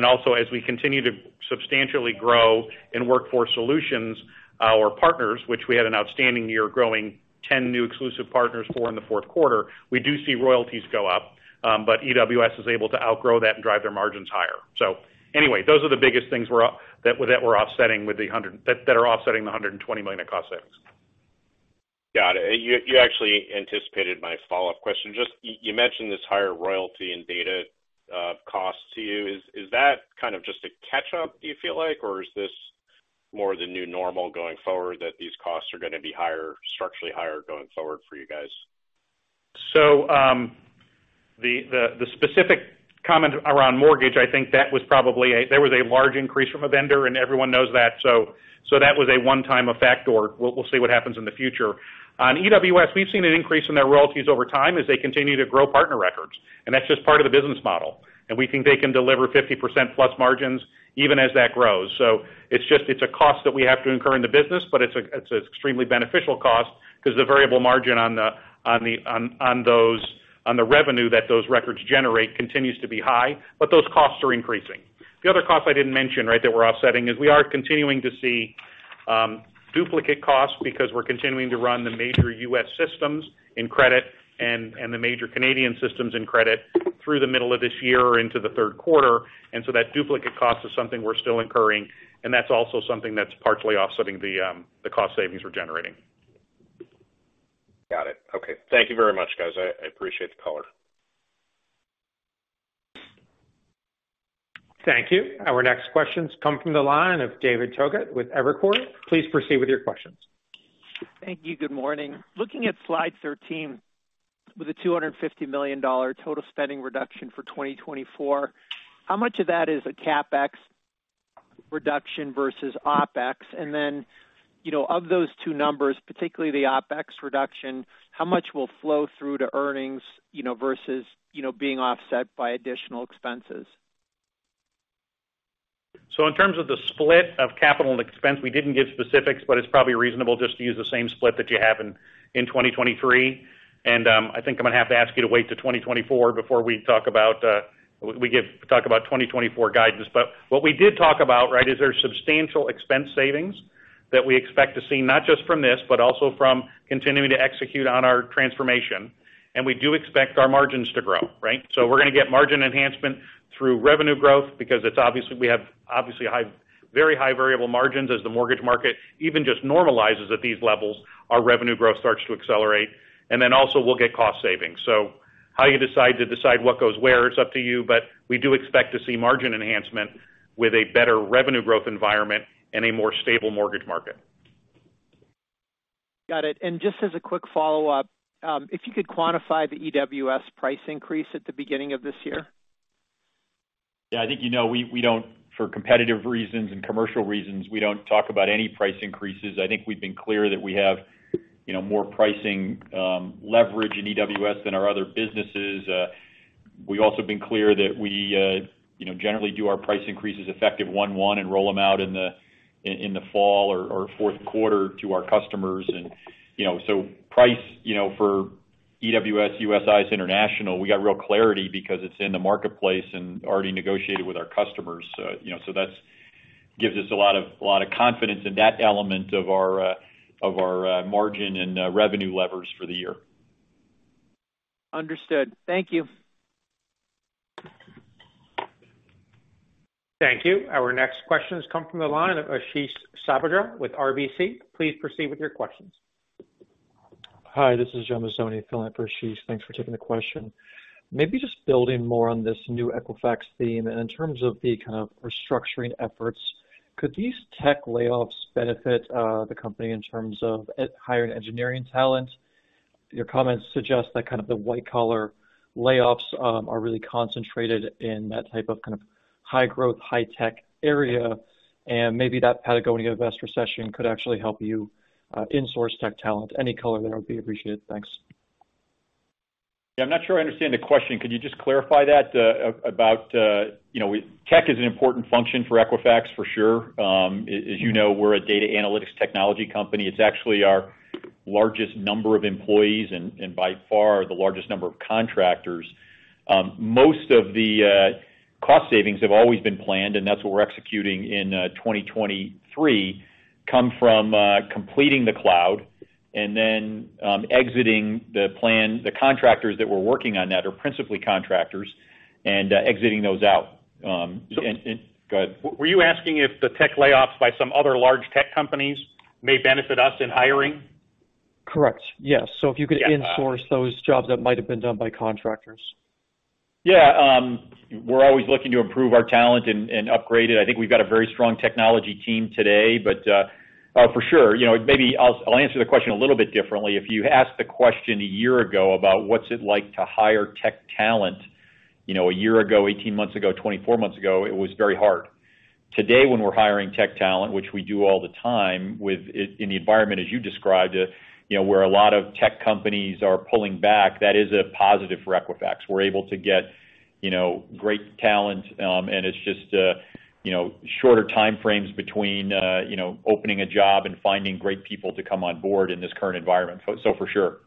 Also as we continue to substantially grow in Workforce Solutions, our partners, which we had an outstanding year growing 10 new exclusive partners for in the fourth quarter, we do see royalties go up. EWS is able to outgrow that and drive their margins higher. Anyway, those are the biggest things we're offsetting with the $120 million in cost savings. Got it. You actually anticipated my follow-up question. Just you mentioned this higher royalty and data costs to you. Is that kind of just a catch up, do you feel like? Or is this more the new normal going forward that these costs are gonna be structurally higher going forward for you guys? The specific comment around mortgage, I think that was probably a large increase from a vendor, and everyone knows that. That was a one-time effect or we'll see what happens in the future. On EWS, we've seen an increase in their royalties over time as they continue to grow partner records. That's just part of the business model. We think they can deliver 50%+ margins even as that grows. It's just, it's a cost that we have to incur in the business, but it's an extremely beneficial cost because the variable margin on the revenue that those records generate continues to be high, but those costs are increasing. The other cost I didn't mention, right? That we're offsetting is we are continuing to see duplicate costs because we're continuing to run the major U.S. systems in credit and the major Canadian systems in credit through the middle of this year into the third quarter. That duplicate cost is something we're still incurring, and that's also something that's partially offsetting the cost savings we're generating. Got it. Okay. Thank you very much, guys. I appreciate the color. Thank you. Our next questions come from the line of David Togut with Evercore. Please proceed with your questions. Thank you. Good morning. Looking at slide 13, with the $250 million total spending reduction for 2024, how much of that is a CapEx reduction versus OpEx? You know, of those two numbers, particularly the OpEx reduction, how much will flow through to earnings, you know, versus, you know, being offset by additional expenses? In terms of the split of capital and expense, we didn't give specifics, but it's probably reasonable just to use the same split that you have in 2023. I think I'm gonna have to ask you to wait till 2024 before we talk about talk about 2024 guidance. What we did talk about, right, is there's substantial expense savings that we expect to see, not just from this, but also from continuing to execute on our transformation. We do expect our margins to grow, right? We're gonna get margin enhancement through revenue growth because it's we have very high variable margins as the mortgage market even just normalizes at these levels, our revenue growth starts to accelerate. Also we'll get cost savings. How you decide to decide what goes where, it's up to you, but we do expect to see margin enhancement with a better revenue growth environment and a more stable mortgage market. Got it. Just as a quick follow-up, if you could quantify the EWS price increase at the beginning of this year. Yeah, I think, you know, we don't for competitive reasons and commercial reasons, we don't talk about any price increases. I think we've been clear that we have, you know, more pricing leverage in EWS than our other businesses. We've also been clear that we, you know, generally do our price increases effective 1/1 and roll them out in the fall or fourth quarter to our customers. You know, price, you know, for EWS, USIS international, we got real clarity because it's in the marketplace and already negotiated with our customers. You know, that's gives us a lot of confidence in that element of our of our margin and revenue levers for the year. Understood. Thank you. Thank you. Our next question has come from the line of Ashish Sabadra with RBC. Please proceed with your questions. Hi, this is John Mazzoni filling up for Ashish. Thanks for taking the question. Maybe just building more on this new Equifax theme, and in terms of the kind of restructuring efforts, could these tech layoffs benefit the company in terms of hiring engineering talent? Your comments suggest that kind of the white collar layoffs are really concentrated in that type of kind of high growth, high tech area, and maybe that had to go into investor session could actually help you insource tech talent. Any color there would be appreciated. Thanks. I'm not sure I understand the question. Could you just clarify that about, you know, tech is an important function for Equifax, for sure. As you know, we're a data analytics technology company. It's actually our largest number of employees and by far the largest number of contractors. Most of the cost savings have always been planned, and that's what we're executing in 2023, come from completing the cloud and then exiting the plan. The contractors that we're working on that are principally contractors and exiting those out. So— Go ahead. Were you asking if the tech layoffs by some other large tech companies may benefit us in hiring? Correct. Yes. If you could insource those jobs that might have been done by contractors. Yeah. We're always looking to improve our talent and upgrade it. I think we've got a very strong technology team today. For sure, you know, maybe I'll answer the question a little bit differently. If you asked the question a year ago about what's it like to hire tech talent, you know, a year ago, 18 months ago, 24 months ago, it was very hard. Today, when we're hiring tech talent, which we do all the time with in the environment as you described, you know, where a lot of tech companies are pulling back, that is a positive for Equifax. We're able to get, you know, great talent, and it's just, you know, shorter time frames between, you know, opening a job and finding great people to come on board in this current environment. For sure.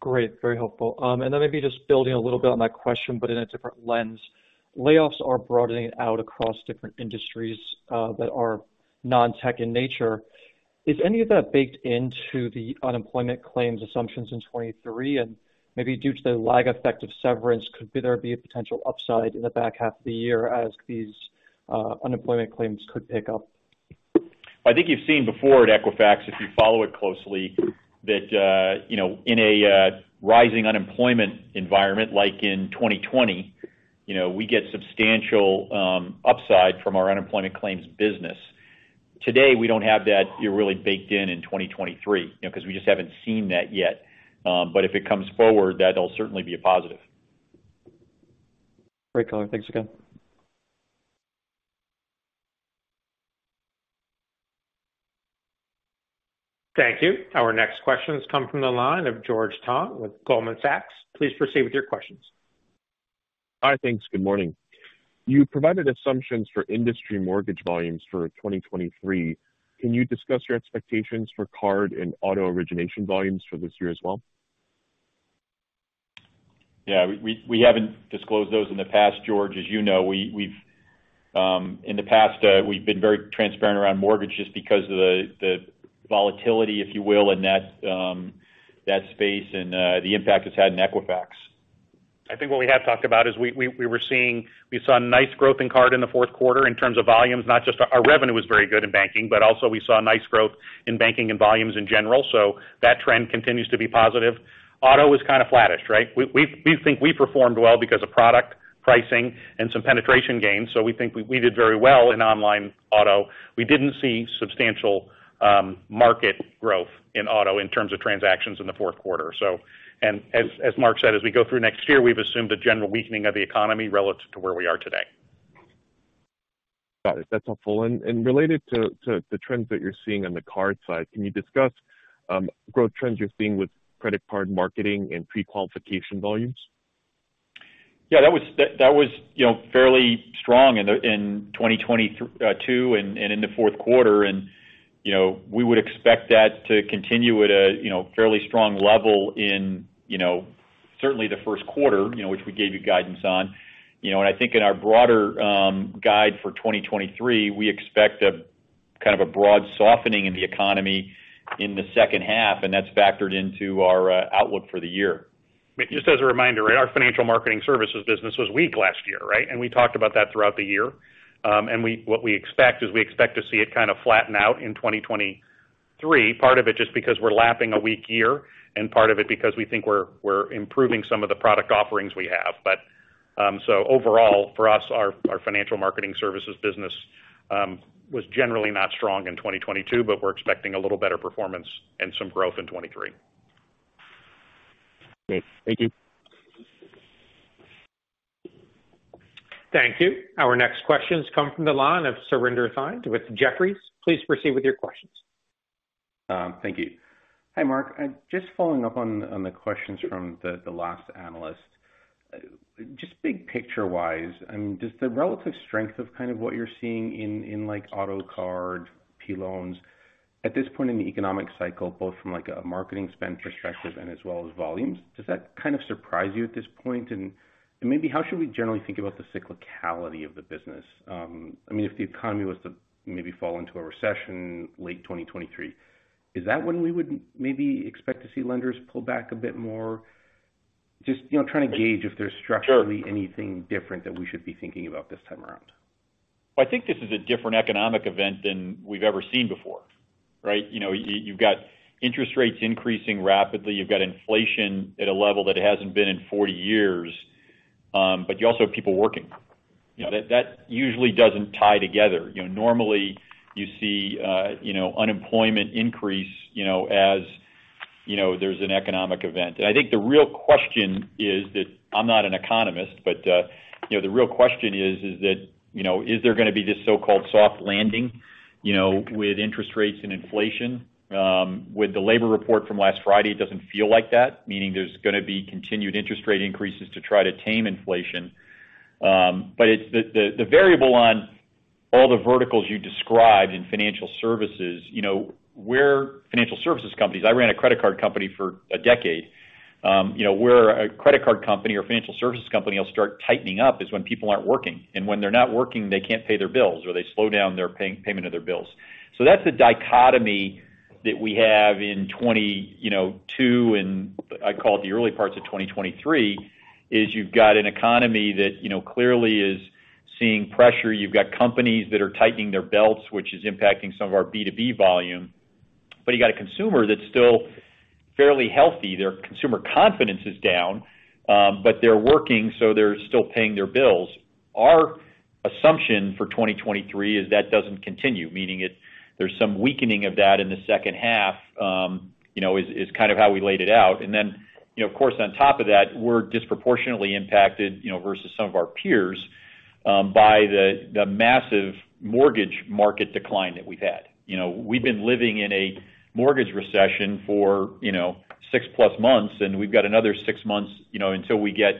Great, very helpful. Then maybe just building a little bit on that question, but in a different lens. Layoffs are broadening out across different industries that are non-tech in nature. Is any of that baked into the unemployment claims assumptions in 2023? Maybe due to the lag effect of severance, could there be a potential upside in the back half of the year as these unemployment claims could pick up? I think you've seen before at Equifax, if you follow it closely, that, you know, in a, rising unemployment environment like in 2020, you know, we get substantial upside from our unemployment claims business. Today, we don't have that really baked in in 2023, you know, because we just haven't seen that yet. If it comes forward, that'll certainly be a positive. Great color. Thanks again. Thank you. Our next question has come from the line of George Tong with Goldman Sachs. Please proceed with your questions. Hi. Thanks. Good morning. You provided assumptions for industry mortgage volumes for 2023. Can you discuss your expectations for card and auto origination volumes for this year as well? Yeah, we haven't disclosed those in the past, George. As you know, we've in the past, we've been very transparent around mortgages because of the volatility, if you will, in that space and the impact it's had in Equifax. I think what we have talked about is we saw nice growth in card in the fourth quarter in terms of volumes, not just our revenue was very good in banking, but also we saw nice growth in banking and volumes in general. That trend continues to be positive. Auto was kind of flattish, right? We think we performed well because of product pricing and some penetration gains. We think we did very well in online auto. We didn't see substantial market growth in auto in terms of transactions in the fourth quarter. As Mark said, as we go through next year, we've assumed a general weakening of the economy relative to where we are today. Got it. That's helpful. Related to the trends that you're seeing on the card side, can you discuss growth trends you're seeing with credit card marketing and pre-qualification volumes? Yeah, that was, you know, fairly strong in 2022 and in the fourth quarter. We would expect that to continue at a, you know, fairly strong level in, you know, certainly the first quarter, you know, which we gave you guidance on. I think in our broader guide for 2023, we expect a kind of a broad softening in the economy in the second half, and that's factored into our outlook for the year. Just as a reminder, our Financial Marketing Services business was weak last year, right? We talked about that throughout the year. What we expect is we expect to see it kind of flatten out in 2023. Part of it just because we're lapping a weak year and part of it because we think we're improving some of the product offerings we have. Overall for us, our Financial Marketing Services business was generally not strong in 2022, but we're expecting a little better performance and some growth in 2023. Great. Thank you. Thank you. Our next questions come from the line of Surinder Thind with Jefferies. Please proceed with your questions. Thank you. Hi, Mark. Just following up on the questions from the last analyst. Just big picture-wise, I mean, just the relative strength of kind of what you're seeing in like auto card, P-loans. At this point in the economic cycle, both from like a marketing spend perspective and as well as volumes, does that kind of surprise you at this point? Maybe how should we generally think about the cyclicality of the business? I mean, if the economy was to maybe fall into a recession late 2023, is that when we would maybe expect to see lenders pull back a bit more? Just, you know, trying to gauge if there's structurally anything different that we should be thinking about this time around. I think this is a different economic event than we've ever seen before, right? You know, you've got interest rates increasing rapidly. You've got inflation at a level that it hasn't been in 40 years, but you also have people working. You know, that usually doesn't tie together. You know, normally you see, you know, unemployment increase, you know, as, you know, there's an economic event. I think the real question is that I'm not an economist, but, you know, the real question is that, you know, is there gonna be this so-called soft landing, you know, with interest rates and inflation? With the labor report from last Friday, it doesn't feel like that, meaning there's gonna be continued interest rate increases to try to tame inflation. It's the variable on all the verticals you described in financial services, you know, where financial services companies I ran a credit card company for a decade. You know, where a credit card company or financial services company will start tightening up is when people aren't working. When they're not working, they can't pay their bills or they slow down their pay-payment of their bills. That's a dichotomy that we have in 2022 and I call it the early parts of 2023, is you've got an economy that, you know, clearly is seeing pressure. You've got companies that are tightening their belts, which is impacting some of our B2B volume. You got a consumer that's still fairly healthy. Their consumer confidence is down, but they're working, so they're still paying their bills. Our assumption for 2023 is that doesn't continue, meaning there's some weakening of that in the second half, you know, is kind of how we laid it out. Then, you know, of course, on top of that, we're disproportionately impacted, you know, versus some of our peers, by the massive mortgage market decline that we've had. You know, we've been living in a mortgage recession for, you know, 6+ months, and we've got another six months, you know, until we get,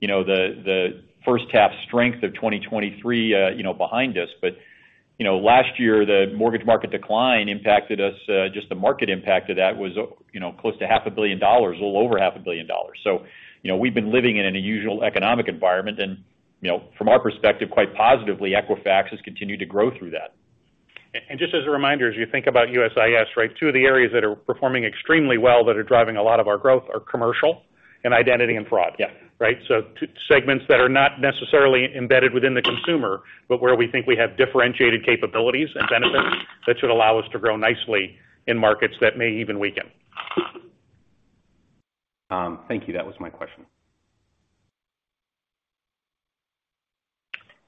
you know, the first half strength of 2023, you know, behind us. You know, last year, the mortgage market decline impacted us, just the market impact of that was, you know, close to $500 million, a little over $500 million. You know, we've been living in an unusual economic environment and, you know, from our perspective, quite positively, Equifax has continued to grow through that. Just as a reminder, as you think about USIS, right, two of the areas that are performing extremely well that are driving a lot of our growth are commercial and identity and fraud. Yeah. Right? Two segments that are not necessarily embedded within the consumer, but where we think we have differentiated capabilities and benefits that should allow us to grow nicely in markets that may even weaken. Thank you. That was my question.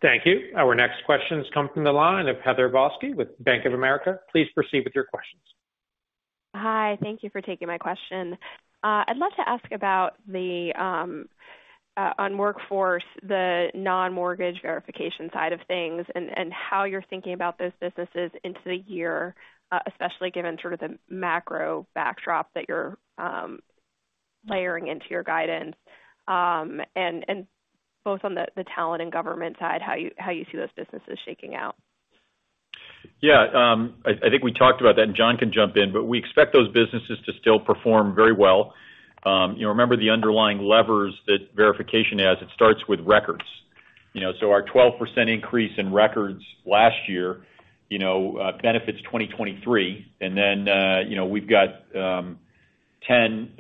Thank you. Our next questions come from the line of Heather Balsky with Bank of America. Please proceed with your questions. Hi. Thank you for taking my question. I'd love to ask about the on Workforce, the non-mortgage verification side of things and how you're thinking about those businesses into the year, especially given sort of the macro backdrop that you're layering into your guidance, and both on the talent and government side, how you, how you see those businesses shaking out. Yeah. I think we talked about that, and John can jump in, but we expect those businesses to still perform very well. You know, remember the underlying levers that verification has, it starts with records. You know, our 12% increase in records last year, you know, benefits 2023. You know, we've got 10,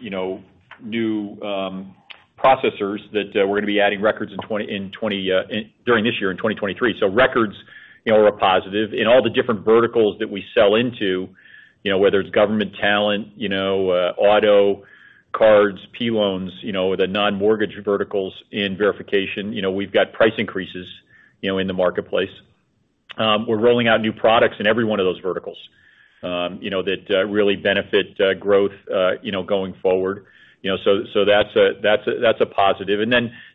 you know, new processors that we're gonna be adding records during this year in 2023. Records, you know, are a positive. In all the different verticals that we sell into, you know, whether it's government talent, you know, auto cards, P-loans, you know, the non-mortgage verticals in verification. You know, we've got price increases, you know, in the marketplace. We're rolling out new products in every one of those verticals, you know, that really benefit growth, you know, going forward. That's a positive.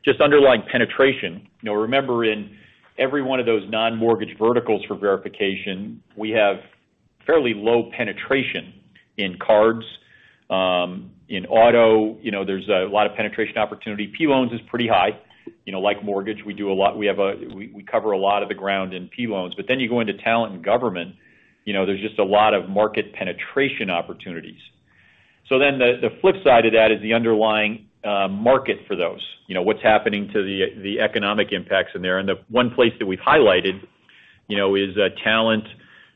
Just underlying penetration. Remember, in every one of those non-mortgage verticals for verification, we have fairly low penetration in cards. In auto, you know, there's a lot of penetration opportunity. P-loans is pretty high. Like mortgage, we cover a lot of the ground in P-loans. You go into talent and government, you know, there's just a lot of market penetration opportunities. The, the flip side of that is the underlying market for those. What's happening to the economic impacts in there. The one place that we've highlighted, you know, is talent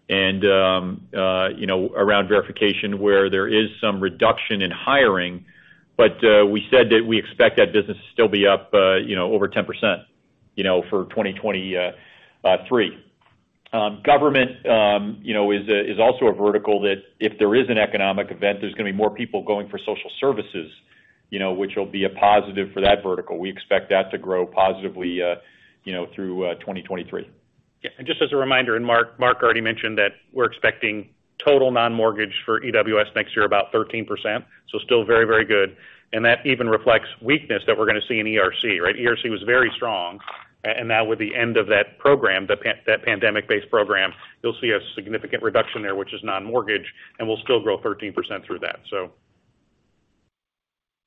and, you know, around verification where there is some reduction in hiring. We said that we expect that business to still be up, you know, over 10%, you know, for 2023. Government, you know, is also a vertical that if there is an economic event, there's gonna be more people going for social services, you know, which will be a positive for that vertical. We expect that to grow positively, you know, through 2023. Yeah. Just as a reminder, Mark already mentioned that we're expecting total non-mortgage for EWS next year about 13%, still very good. That even reflects weakness that we're gonna see in ERC, right? ERC was very strong. And now with the end of that program, that pandemic-based program, you'll see a significant reduction there, which is non-mortgage, and we'll still grow 13% through that.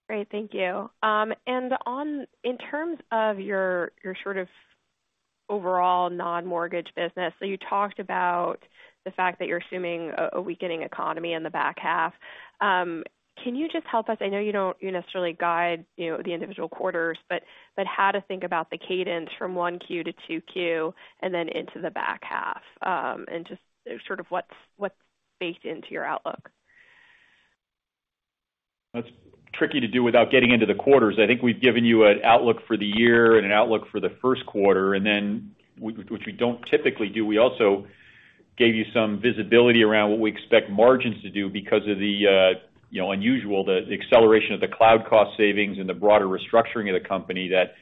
Great. Thank you. In terms of your sort of overall non-mortgage business, so you talked about the fact that you're assuming a weakening economy in the back half. Can you just help us—I know you don't necessarily guide, you know, the individual quarters, but how to think about the cadence from one Q to two Q and then into the back half, and just sort of what's baked into your outlook? That's tricky to do without getting into the quarters. I think we've given you an outlook for the year and an outlook for the first quarter, and then, which we don't typically do, we also gave you some visibility around what we expect margins to do because of the, you know, unusual, the acceleration of the cloud cost savings and the broader restructuring of the company that,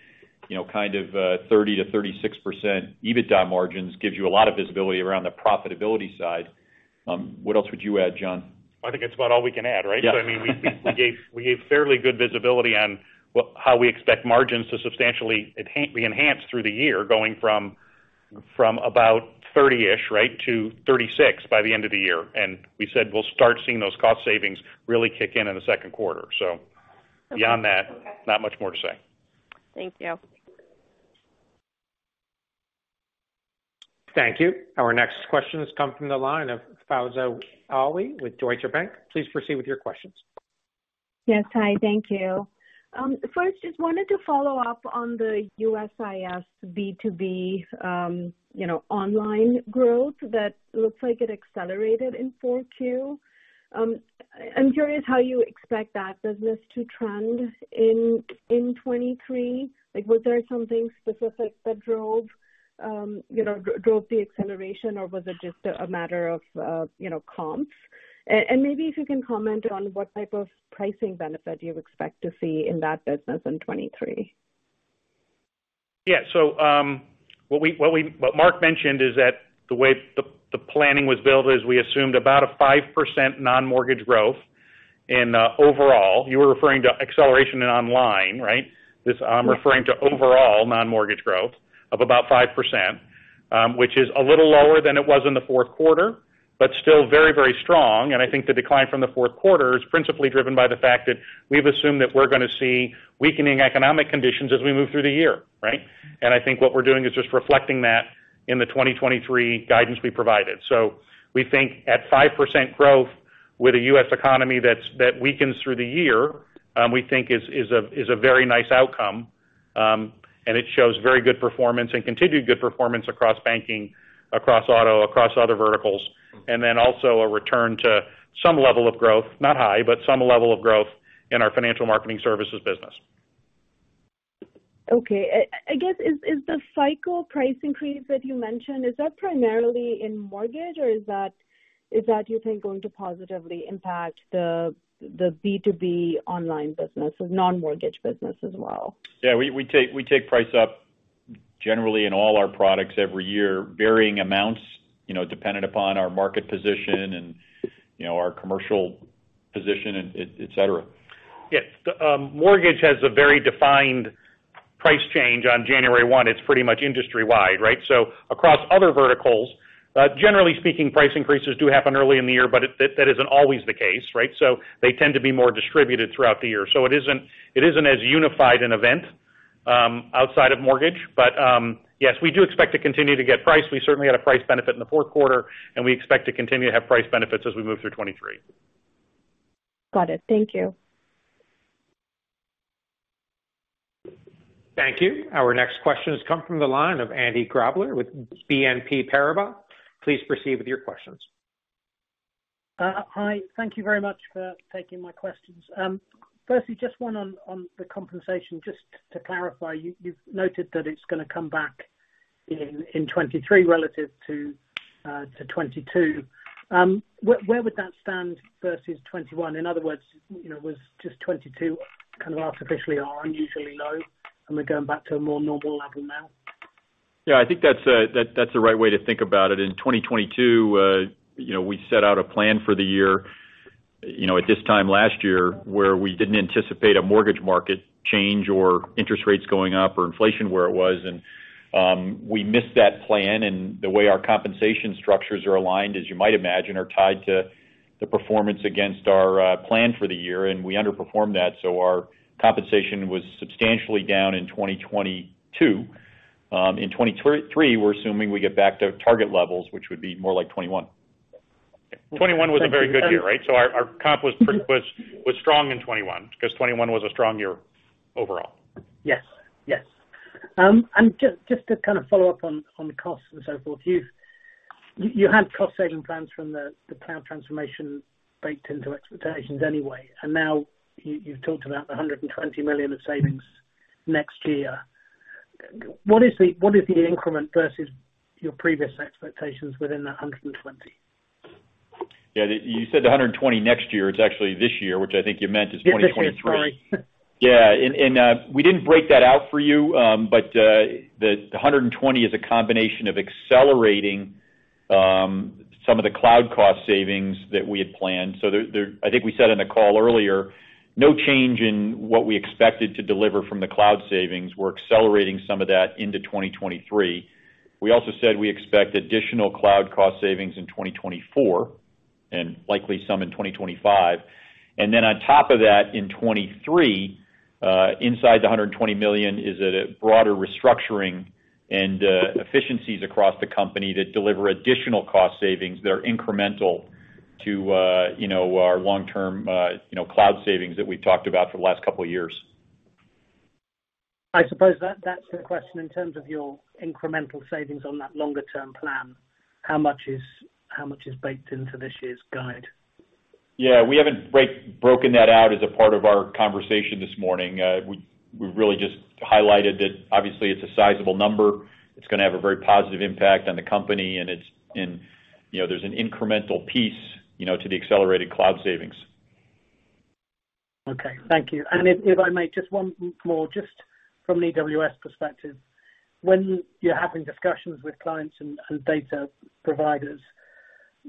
you know, kind of, 30%-36% EBITDA margins gives you a lot of visibility around the profitability side. What else would you add, John? I think that's about all we can add, right? Yeah. I mean, we gave fairly good visibility on how we expect margins to substantially be enhanced through the year, going from about 30-ish, right, to 36% by the end of the year. We said we'll start seeing those cost savings really kick in in the second quarter. Okay. Beyond that, not much more to say. Thank you. Thank you. Our next question has come from the line of Faiza Alwy with Deutsche Bank. Please proceed with your questions. Yes. Hi, thank you. first, just wanted to follow up on the USIS B2B, you know, online growth that looks like it accelerated in Q4. I'm curious how you expect that business to trend in 2023. Like, was there something specific that drove, you know, drove the acceleration or was it just a matter of, you know, comps? Maybe if you can comment on what type of pricing benefit you expect to see in that business in 2023. Yeah. What Mark mentioned is that the way the planning was built is we assumed about a 5% non-mortgage growth in overall. You were referring to acceleration in online, right? This. I'm referring to overall non-mortgage growth of about 5%, which is a little lower than it was in the fourth quarter, but still very, very strong. I think the decline from the fourth quarter is principally driven by the fact that we've assumed that we're gonna see weakening economic conditions as we move through the year, right? I think what we're doing is just reflecting that in the 2023 guidance we provided. We think at 5% growth with a U.S. economy that weakens through the year, we think is a very nice outcome. It shows very good performance and continued good performance across banking, across auto, across other verticals. Also a return to some level of growth, not high, but some level of growth in our Financial Marketing Services business. Okay. I guess is the cycle price increase that you mentioned, is that primarily in mortgage or is that you think going to positively impact the B2B online business or non-mortgage business as well? Yeah, we take price up generally in all our products every year, varying amounts, you know, dependent upon our market position and, you know, our commercial position, and, etc. Yes. Mortgage has a very defined price change on January 1. It's pretty much industry-wide, right? Across other verticals, generally speaking, price increases do happen early in the year, but that isn't always the case, right? They tend to be more distributed throughout the year. It isn't as unified an event outside of mortgage. Yes, we do expect to continue to get price. We certainly had a price benefit in the fourth quarter, and we expect to continue to have price benefits as we move through 2023. Got it. Thank you. Thank you. Our next question has come from the line of Andy Grobler with BNP Paribas. Please proceed with your questions. Hi. Thank you very much for taking my questions. Firstly, just one on the compensation. Just to clarify, you've noted that it's gonna come back in 2023 relative to 2022, where would that stand versus 2021? In other words, you know, was just 2022 kind of artificially or unusually low, and we're going back to a more normal level now? Yeah, I think that's the right way to think about it. In 2022, you know, we set out a plan for the year, you know, at this time last year, where we didn't anticipate a mortgage market change or interest rates going up or inflation where it was. We missed that plan. The way our compensation structures are aligned, as you might imagine, are tied to the performance against our plan for the year, and we underperformed that. Our compensation was substantially down in 2022. In 2023, we're assuming we get back to target levels, which would be more like 2021. 2021 was a very good year, right? Our comp was strong in 2021 because 2021 was a strong year overall. Yes. Yes. just to kind of follow up on costs and so forth. You had cost saving plans from the cloud transformation baked into expectations anyway, now you've talked about the $120 million of savings next year. What is the increment versus your previous expectations within that $120 million? Yeah. You said the $120 million next year. It's actually this year, which I think you meant is 2023. This year, sorry. We didn't break that out for you. The $120 million is a combination of accelerating some of the cloud cost savings that we had planned. I think we said in the call earlier, no change in what we expected to deliver from the cloud savings. We're accelerating some of that into 2023. We also said we expect additional cloud cost savings in 2024 and likely some in 2025. On top of that, in 2023, inside the $120 million is at a broader restructuring and efficiencies across the company that deliver additional cost savings that are incremental to, you know, our long-term cloud savings that we've talked about for the last couple of years. I suppose that's the question in terms of your incremental savings on that longer-term plan, how much is baked into this year's guide? We haven't broken that out as a part of our conversation this morning. We really just highlighted that obviously it's a sizable number. It's gonna have a very positive impact on the company. You know, there's an incremental piece, you know, to the accelerated cloud savings. Okay. Thank you. If I may, just one more, just from the EWS perspective. When you're having discussions with clients and data providers,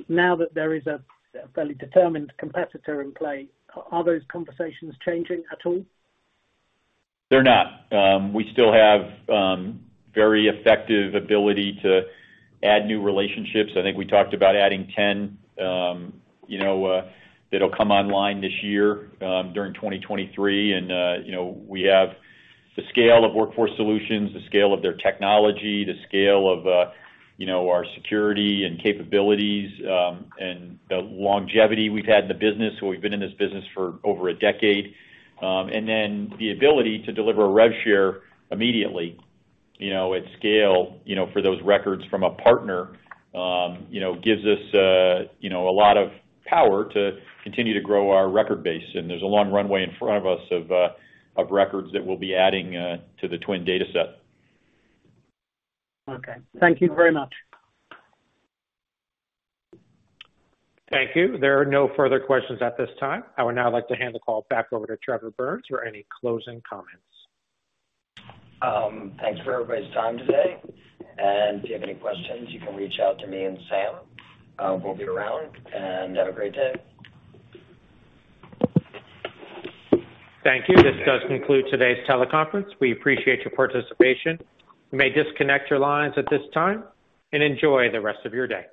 now that there is a fairly determined competitor in play, are those conversations changing at all? They're not. We still have very effective ability to add new relationships. I think we talked about adding 10, you know, that'll come online this year, during 2023. We have the scale of Workforce Solutions, the scale of their technology, the scale of, you know, our security and capabilities, and the longevity we've had in the business. We've been in this business for over a decade. Then the ability to deliver a rev share immediately, you know, at scale, you know, for those records from a partner, you know, gives us, you know, a lot of power to continue to grow our record base. There's a long runway in front of us of records that we'll be adding to the TWN data set. Okay. Thank you very much. Thank you. There are no further questions at this time. I would now like to hand the call back over to Trevor Burns for any closing comments. Thanks for everybody's time today. If you have any questions, you can reach out to me and Sam. We'll be around. Have a great day. Thank you. This does conclude today's teleconference. We appreciate your participation. You may disconnect your lines at this time, and enjoy the rest of your day.